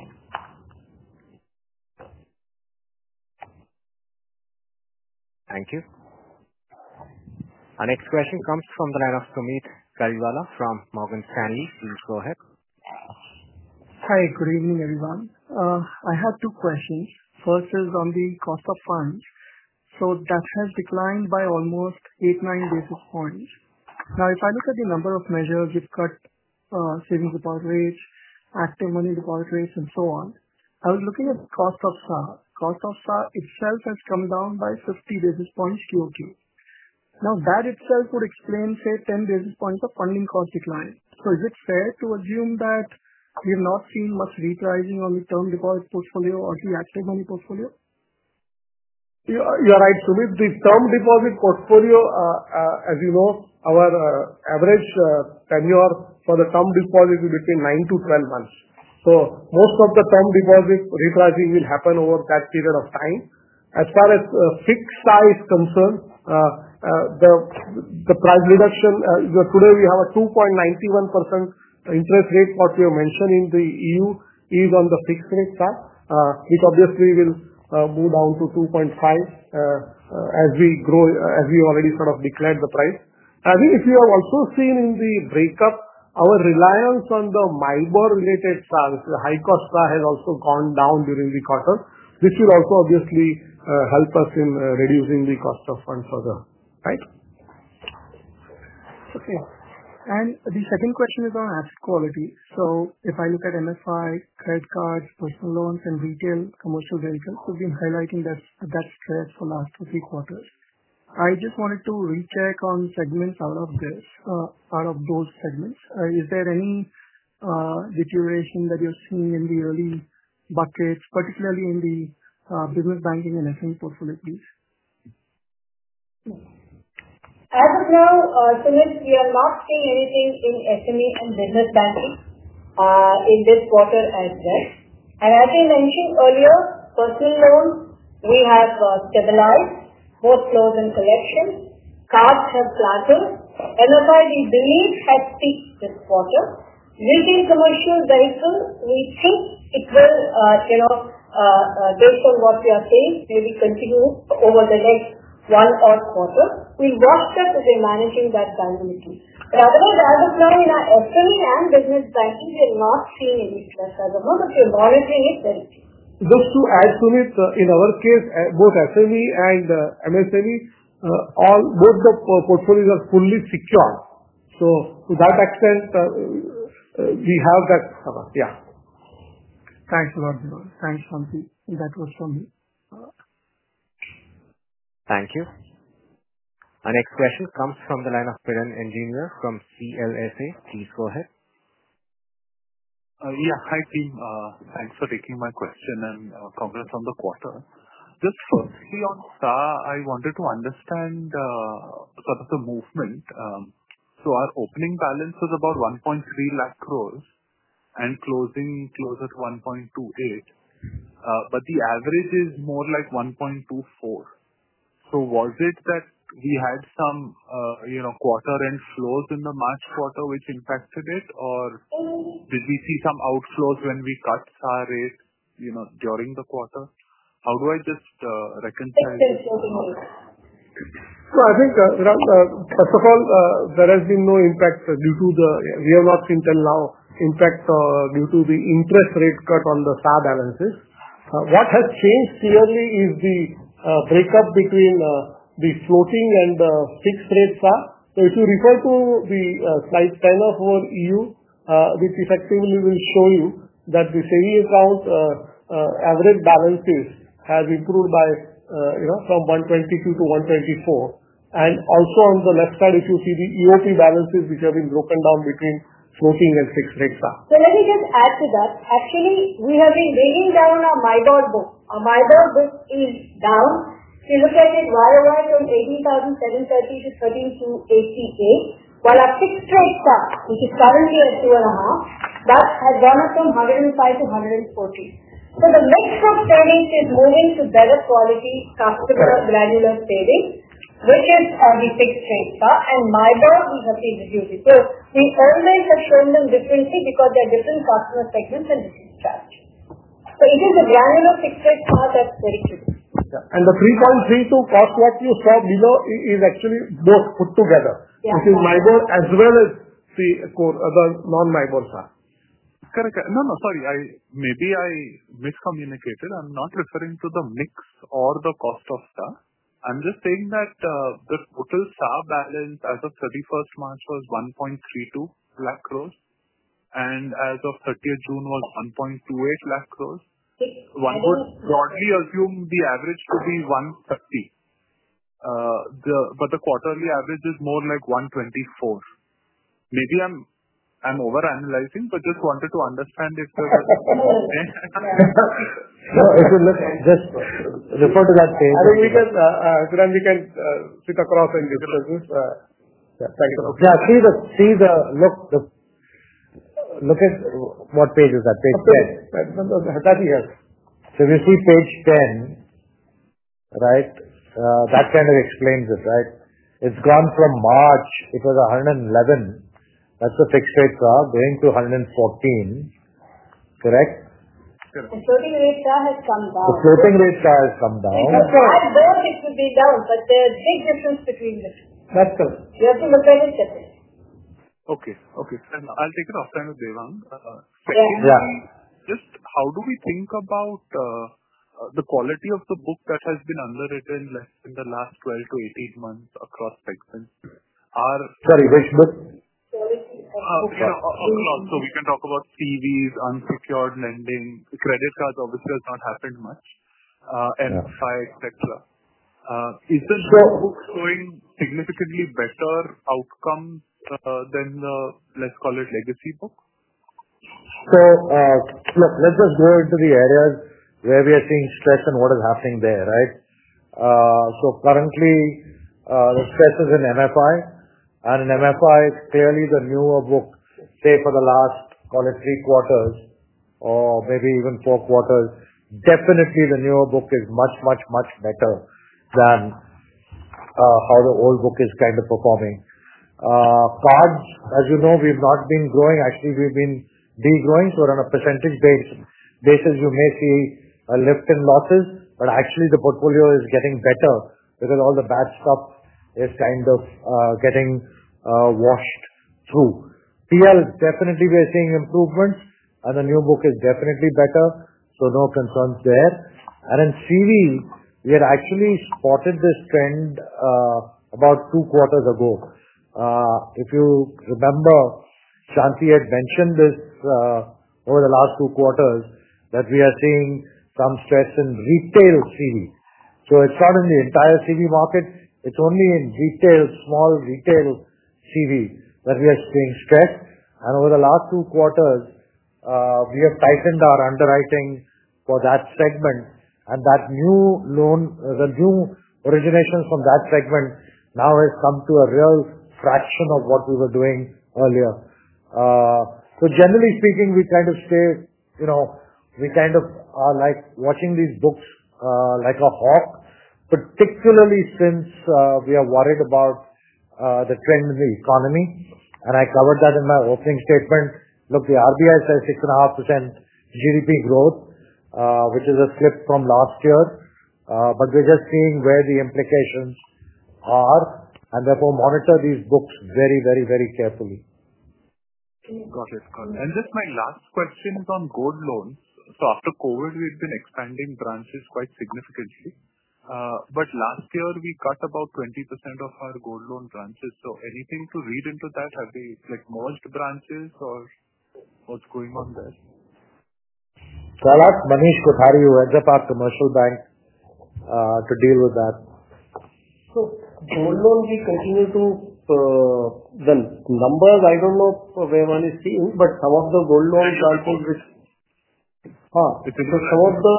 Thank you. Our next question comes from the line of Sumeet Kariwala from Morgan Stanley. Please go ahead. Hi. Good evening, everyone. I have two questions. First is on the cost of funds. That has declined by almost 8-9 basis points. If I look at the number of measures, gift card, savings deposit rates, active money deposit rates, and so on, I was looking at cost of SAR. Cost of SAR itself has come down by 50 basis points Q2. That itself would explain, say, 10 basis points of funding cost decline. Is it fair to assume that we have not seen much repricing on the term deposit portfolio or the active money portfolio? You are right. With the term deposit portfolio, as you know, our average tenure for the term deposit is between 9-12 months, so most of the term deposit repricing will happen over that period of time. As far as fixed is concerned, the price reduction, today we have a 2.91% interest rate, what we have mentioned in the EU, is on the fixed rate side, which obviously will move down to 2.5. As we already sort of declared the price. I think if you have also seen in the breakup, our reliance on the Malboro related SARs, the high-cost SAR, has also gone down during the quarter, which will also obviously help us in reducing the cost of funds further, right? Okay. The second question is on asset quality. If I look at MFI, credit cards, personal loans, and retail commercial ventures, we have been highlighting that stress for the last two or three quarters. I just wanted to recheck on segments out of those segments. Is there any deterioration that you are seeing in the early buckets, particularly in the business banking and SME portfolio, please? As of now, Sumeet, we are not seeing anything in SME and business banking in this quarter as well. As I mentioned earlier, personal loans, we have stabilized, both flows and collection. Cards have plateaued. MFI, we believe, has peaked this quarter. Retail commercial ventures, we think it will, based on what we are seeing, maybe continue over the next one or quarter. We watch that as we are managing that dynamic. Otherwise, as of now, in our SME and business banking, we are not seeing any stress as of now, but we are monitoring it very closely. Just to add, Sumeet, in our case, both SME and MSME, both the portfolios are fully secured. To that extent, we have that cover. Yeah. Thanks a lot, Vivan. Thanks, Shanti. That was from me. Thank you. Our next question comes from the line of Prithvi Engineer from CLSA. Please go ahead. Yeah. Hi, team. Thanks for taking my question and congrats on the quarter. Just firstly on SAR, I wanted to understand sort of the movement. Our opening balance was about 1.3 lakh crore and closing closer to 1.28 lakh crore, but the average is more like 1.24 lakh crore. Was it that we had some quarter-end flows in the March quarter which impacted it, or did we see some outflows when we cut SAR rate during the quarter? How do I just reconcile? I think, first of all, there has been no impact due to the—we have not seen till now impact due to the interest rate cut on the SAR balances. What has changed clearly is the breakup between the floating and the fixed rate SAR. If you refer to slide 10 of our EU, which effectively will show you that the savings account average balances have improved by—from INR 1.22 lakh crore to 1.24 lakh crore. Also, on the left side, if you see the EOP balances, which have been broken down between floating and fixed rate SAR. Let me just add to that. Actually, we have been bringing down our Malboro book. Our Malboro book is down. If you look at it, YOR is from 18,730 crore to 13,280 crore, while our fixed rate SAR, which is currently at 2.5, that has gone up from 105 crore to 114 crore. The mix of savings is moving to better quality customer granular savings, which is the fixed rate SAR, and Malboro we have been reducing. We always have shown them differently because they are different customer segments and different strategies. It is the granular fixed rate SAR that is very critical. Yeah. The 3.32 cost what you saw below is actually both put together, which is Malboro as well as the other non-Malboro SAR. Correct. No, no. Sorry. Maybe I miscommunicated. I am not referring to the mix or the cost of SAR. I am just saying that the total SAR balance as of 31st March was 1.32 lakh crore, and as of 30th June was 1.28 lakh crore. One would broadly assume the average to be 130. But the quarterly average is more like 124. Maybe I'm overanalyzing, but just wanted to understand if there was. No, if you look just refer to that page. I think we can, Pridhan, we can sit across and discuss this. Yeah. Thank you. Yeah. See the look. Look at what page is that? Page 10. That's here. So you see page 10. Right? That kind of explains it, right? It's gone from March, it was 111. That's the fixed rate SAR going to 114. Correct? Correct. The floating rate SAR has come down. The floating rate SAR has come down. Of course. I thought it would be down, but there's a big difference between them. That's correct. You have to look at it separately. Okay. Okay. And I'll take it offhand with Vivan. Secondly. Just how do we think about. The quality of the book that has been underwritten in the last 12 to 18 months across segments? Sorry. Which book? Quality across. Okay. Across. So we can talk about CVs, unsecured lending, credit cards. Obviously, it has not happened much. MFI, etc. Is the new book showing significantly better outcomes than the, let's call it, legacy book? Look, let's just go into the areas where we are seeing stress and what is happening there, right? Currently. The stress is in MFI. And in MFI, clearly, the newer book, say for the last, call it, three quarters, or maybe even four quarters, definitely the newer book is much, much, much better than. How the old book is kind of performing. Cards, as you know, we have not been growing. Actually, we've been degrowing. On a percentage basis, you may see a lift in losses, but actually, the portfolio is getting better because all the bad stuff is kind of getting. Washed through. PL, definitely, we are seeing improvements, and the new book is definitely better. No concerns there. In CVs, we had actually spotted this trend. About two quarters ago. If you remember. Shanti had mentioned this. Over the last two quarters, we are seeing some stress in retail CV. It is not in the entire CV market. It is only in retail, small retail CV that we are seeing stress. Over the last two quarters, we have tightened our underwriting for that segment. That new loan, the new origination from that segment now has come to a real fraction of what we were doing earlier. Generally speaking, we kind of stay. We kind of are like watching these books like a hawk, particularly since we are worried about. The trend in the economy. I covered that in my opening statement. The RBI says 6.5% GDP growth, which is a slip from last year. We are just seeing where the implications are and therefore monitor these books very, very, very carefully. Got it. Got it. Just my last question is on gold loans. After COVID, we have been expanding branches quite significantly. Last year, we cut about 20% of our gold loan branches. Anything to read into that? Have they merged branches, or what is going on there? Sadhak Manish Kothari, who heads up our commercial bank, to deal with that. Gold loans will continue to—the numbers, I do not know where one is seeing, but some of the gold loan branches which—huh? It is not—some of the,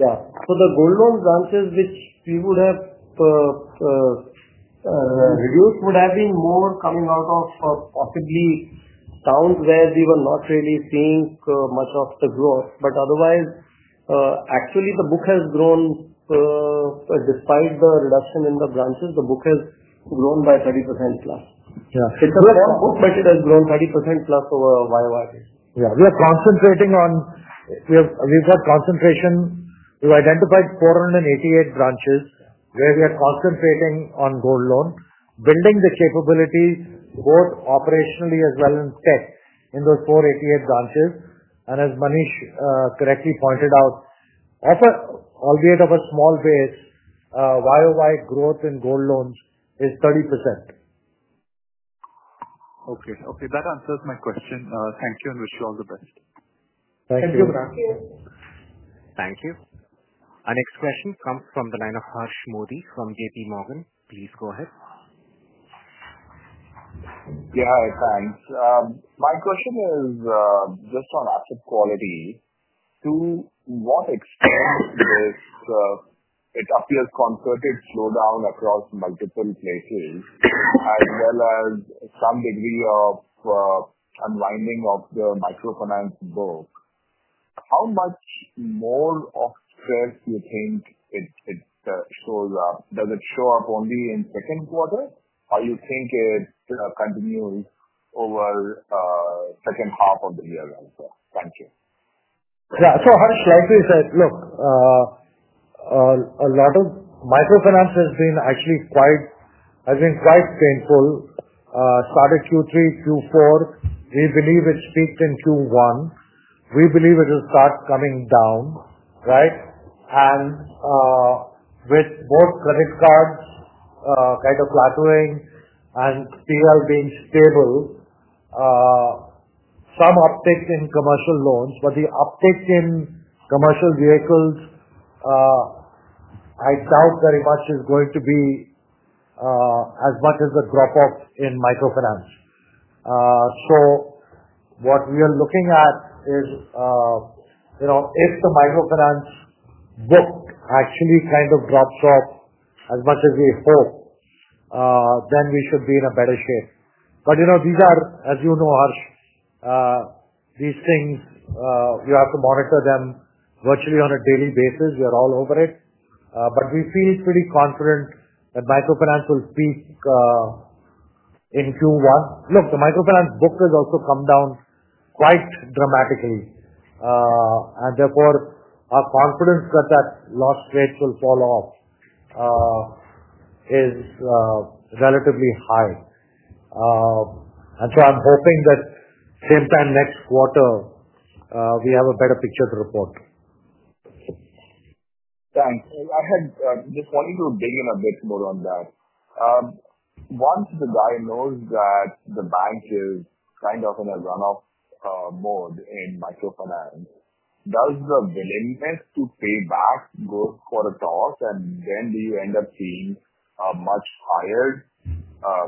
yeah, so the gold loan branches which we would have reduced would have been more coming out of possibly towns where we were not really seeing much of the growth. Otherwise, actually, the book has grown. Despite the reduction in the branches, the book has grown by 30% plus. Yeah. It is a small book, but it has grown 30% plus over 2023. We are concentrating on—we have got concentration. We have identified 488 branches where we are concentrating on gold loan, building the capability both operationally as well as in tech in those 488 branches. As Manish correctly pointed out, albeit off a small base, 2023 growth in gold loans is 30%. Okay. That answers my question. Thank you and wish you all the best. Thank you Pridhan. Thank you. Our next question comes from the line of Harsh Modi from JPMorgan. Please go ahead. Yeah. Thanks. My question is just on asset quality. To what extent does it appear concerted slowdown across multiple places, as well as some degree of unwinding of the microfinance book? How much more of stress do you think it shows up? Does it show up only in second quarter, or do you think it continues over second half of the year as well? Thank you. Yeah. As Harsh likely said, "Look, a lot of microfinance has been actually quite painful. Started Q3, Q4. We believe it peaked in Q1. We believe it will start coming down," right? With both credit cards kind of flattering and personal loans being stable, some uptick in commercial loans, but the uptick in commercial vehicles, I doubt very much is going to be as much as the drop-off in microfinance. What we are looking at is, if the microfinance book actually kind of drops off as much as we hope, then we should be in a better shape. These are, as you know, Harsh, these things, you have to monitor them virtually on a daily basis. We are all over it. We feel pretty confident that microfinance will peak in Q1. The microfinance book has also come down quite dramatically, and therefore, our confidence that that loss rates will fall off is relatively high. I am hoping that same time next quarter, we have a better picture to report. Thanks. I had just wanted to dig in a bit more on that. Once the guy knows that the bank is kind of in a runoff mode in microfinance, does the willingness to pay back go for a toss? And then do you end up seeing a much higher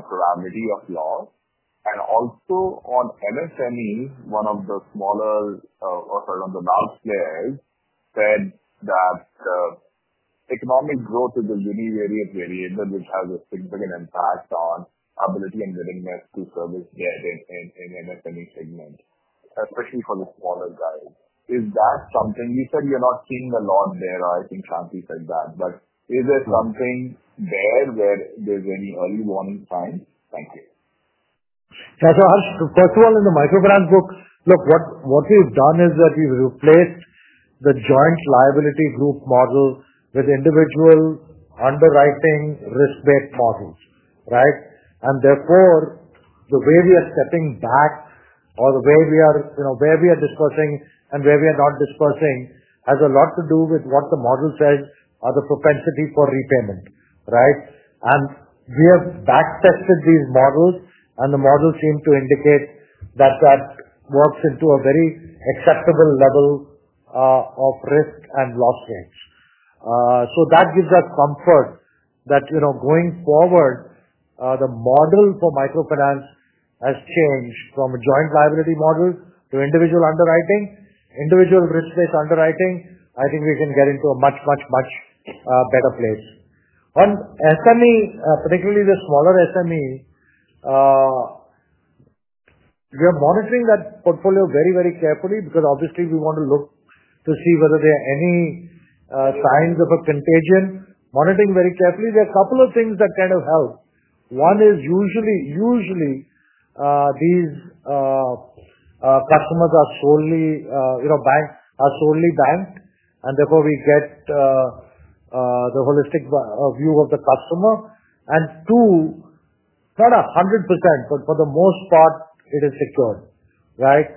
calamity of loss? And also on MSME, one of the smaller or one of the large players said that economic growth is a univariate variable which has a significant impact on ability and willingness to service debt in MSME segment, especially for the smaller guys. Is that something you said you're not seeing a lot there? I think Shanti said that. But is there something there where there's any early warning signs? Thank you. Yeah. So Harsh, first of all, in the microfinance book, look, what we've done is that we've replaced the joint liability group model with individual underwriting risk-based models. Right? And therefore, the way we are stepping back or the way we are discussing and where we are not discussing has a lot to do with what the model says or the propensity for repayment. Right? And we have backtested these models, and the models seem to indicate that that works into a very acceptable level of risk and loss rates. So that gives us comfort that going forward, the model for microfinance has changed from a joint liability model to individual underwriting, individual risk-based underwriting. I think we can get into a much, much, much better place. On SME, particularly the smaller SME, we are monitoring that portfolio very, very carefully because obviously, we want to look to see whether there are any signs of a contagion. Monitoring very carefully. There are a couple of things that kind of help. One is usually these customers are solely banked, and therefore we get the holistic view of the customer. And two, not 100%, but for the most part, it is secured. Right?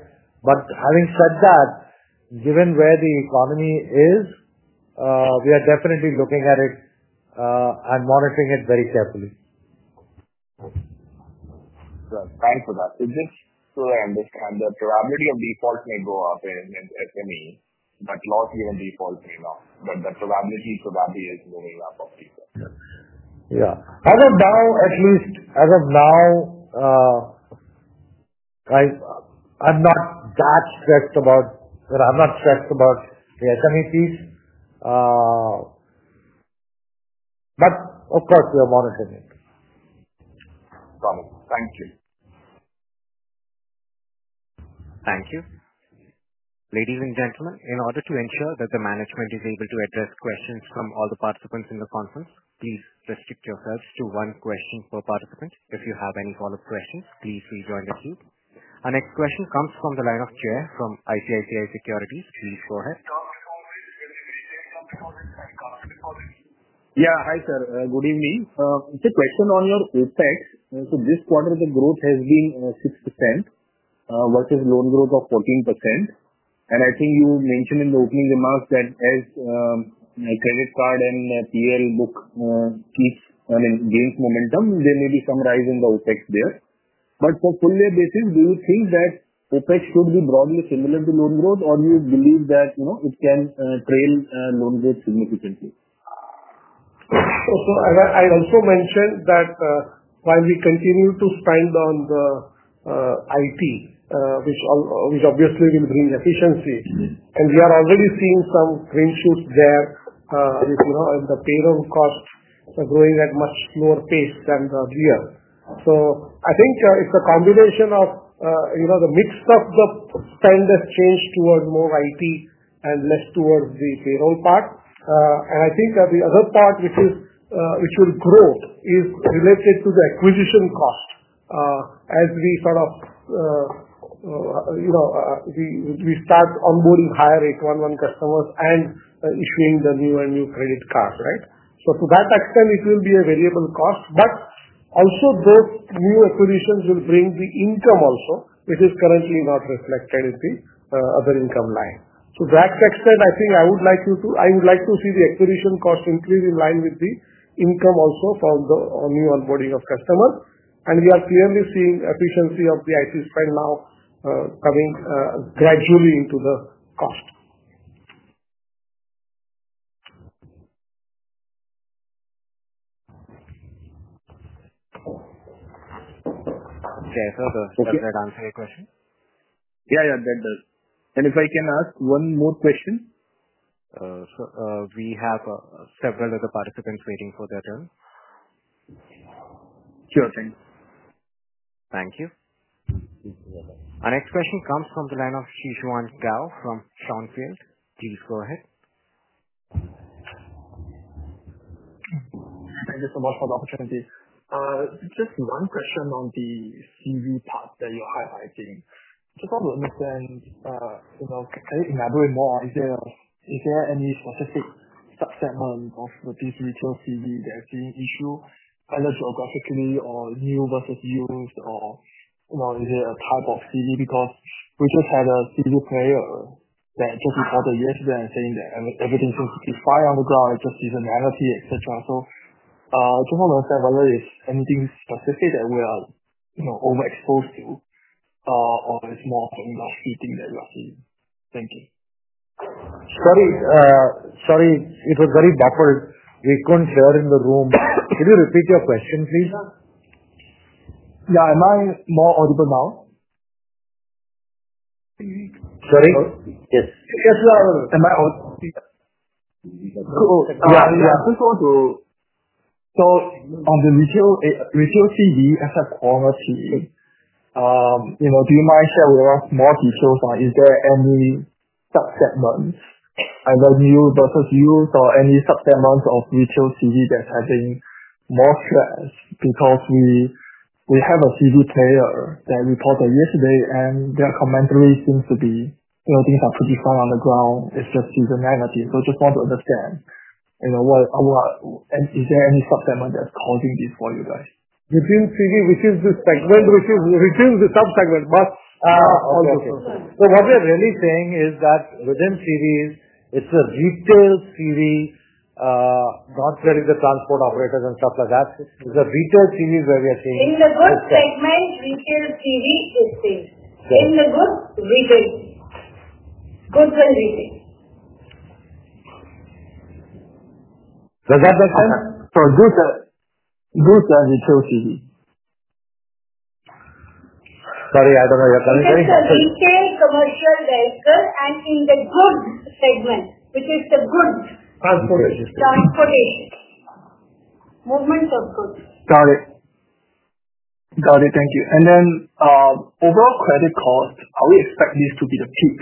But having said that, given where the economy is, we are definitely looking at it and monitoring it very carefully. Thanks for that. It's just so I understand the probability of default may go up in SME, but loss given default may not. But the probability to that is moving up obviously. Yeah. As of now, at least as of now, I'm not that stressed about, I'm not stressed about the SME piece. But of course, we are monitoring it. Got it. Thank you. Thank you. Ladies and gentlemen, in order to ensure that the management is able to address questions from all the participants in the conference, please restrict yourselves to one question per participant. If you have any follow-up questions, please rejoin the queue. Our next question comes from the line of Cherry from ICICI Securities. Please go ahead. Dr. Kovacs, can you repeat your name? Dr. Kovacs and Dr. Kovacs. Yeah. Hi, sir. Good evening. It's a question on your OpEx. So this quarter, the growth has been 6% versus loan growth of 14%. And I think you mentioned in the opening remarks that as. Credit card and PL book keeps, I mean, gains momentum, there may be some rise in the OpEx there. For full-year basis, do you think that OpEx should be broadly similar to loan growth, or do you believe that it can trail loan growth significantly? I also mentioned that while we continue to spend on the IT, which obviously will bring efficiency, and we are already seeing some green shoots there, the payroll costs are growing at a much slower pace than the year. I think it is a combination of the mix of the spend has changed towards more IT and less towards the payroll part. I think the other part which will grow is related to the acquisition cost. As we start onboarding higher rate one-on-one customers and issuing the new and new credit cards, right? To that extent, it will be a variable cost. Also, those new acquisitions will bring the income also, which is currently not reflected in the other income line. To that extent, I think I would like to see the acquisition cost increase in line with the income also from the new onboarding of customers. We are clearly seeing efficiency of the IT spend now coming gradually into the cost. Okay. I thought that answered your question. Yeah. Yeah, that does. If I can ask one more question? We have several other participants waiting for their turn. Sure. Thank you. Thank you. Our next question comes from the line of Xuexuan Gao from Shaunfield. Please go ahead. Thank you so much for the opportunity. Just one question on the CV part that you are highlighting. Just want to understand, can you elaborate more? Is there any specific subsegment of these retail CVs that are being issued, either geographically or new versus used, or is there a type of CV? We just had a CV player that just reported yesterday and said that everything seems to be fine on the ground. It is just seasonality, etc. I just want to understand whether there is anything specific that we are overexposed to, or it is more of an industry thing that you are seeing. Thank you. Sorry. Sorry. It was very buffered. We could not hear in the room. Could you repeat your question, please? Yeah. Am I more audible now? Sorry? Yes. Yes. Am I audible? Yeah. Yeah. Just want to, so on the retail CV, as a quality, do you mind sharing with us more details on is there any subsegments, either new versus used, or any subsegments of retail CV that is having more stress? Because we have a CV player that reported yesterday, and their commentary seems to be things are pretty fine on the ground. It is just seasonality. Just want to understand, is there any subsegment that is causing this for you guys? Retail CV, which is the segment, which is retail is the subsegment. But. What we are really seeing is that within CVs, it is the retail CV. Not really the transport operators and stuff like that. It is the retail CVs where we are seeing. In the goods segment, retail CV is seen. In the goods retail. Goods and retail. Does that make sense? Good. Retail CV. Sorry. I do not know. You are coming back? Retail commercial vehicle and in the goods segment, which is the goods. Transportation. Transportation. Movement of goods. Got it. Got it. Thank you. And then overall credit cost, how do we expect this to be the peak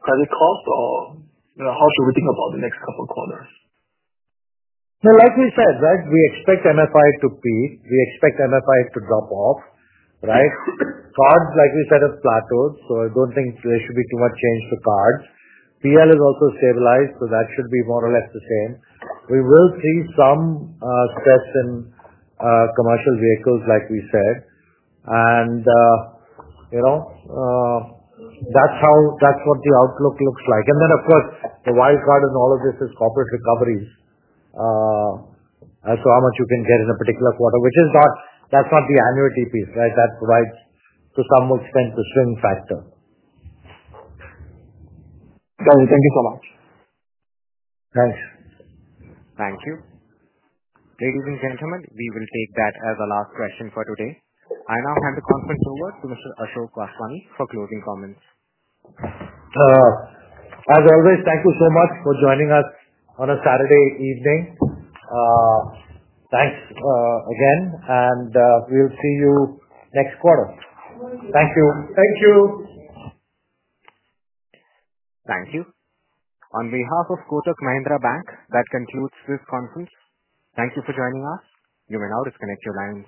credit cost, or how should we think about the next couple of quarters? Like we said, right, we expect MFI to peak. We expect MFI to drop off. Right? Cards, like we said, have plateaued. I do not think there should be too much change to cards. PL is also stabilized, so that should be more or less the same. We will see some stress in commercial vehicles, like we said. That is what the outlook looks like. Of course, the wild card in all of this is corporate recoveries as to how much you can get in a particular quarter, which is not the annuity piece. Right? That provides to some extent the swing factor. Got it. Thank you so much. Thanks. Thank you. Ladies and gentlemen, we will take that as our last question for today. I now hand the conference over to Mr. Ashok Vaswani for closing comments. As always, thank you so much for joining us on a Saturday evening. Thanks again. We will see you next quarter. Thank you. Thank you. Thank you. On behalf of Kotak Mahindra Bank, that concludes this conference. Thank you for joining us. You may now disconnect your lines.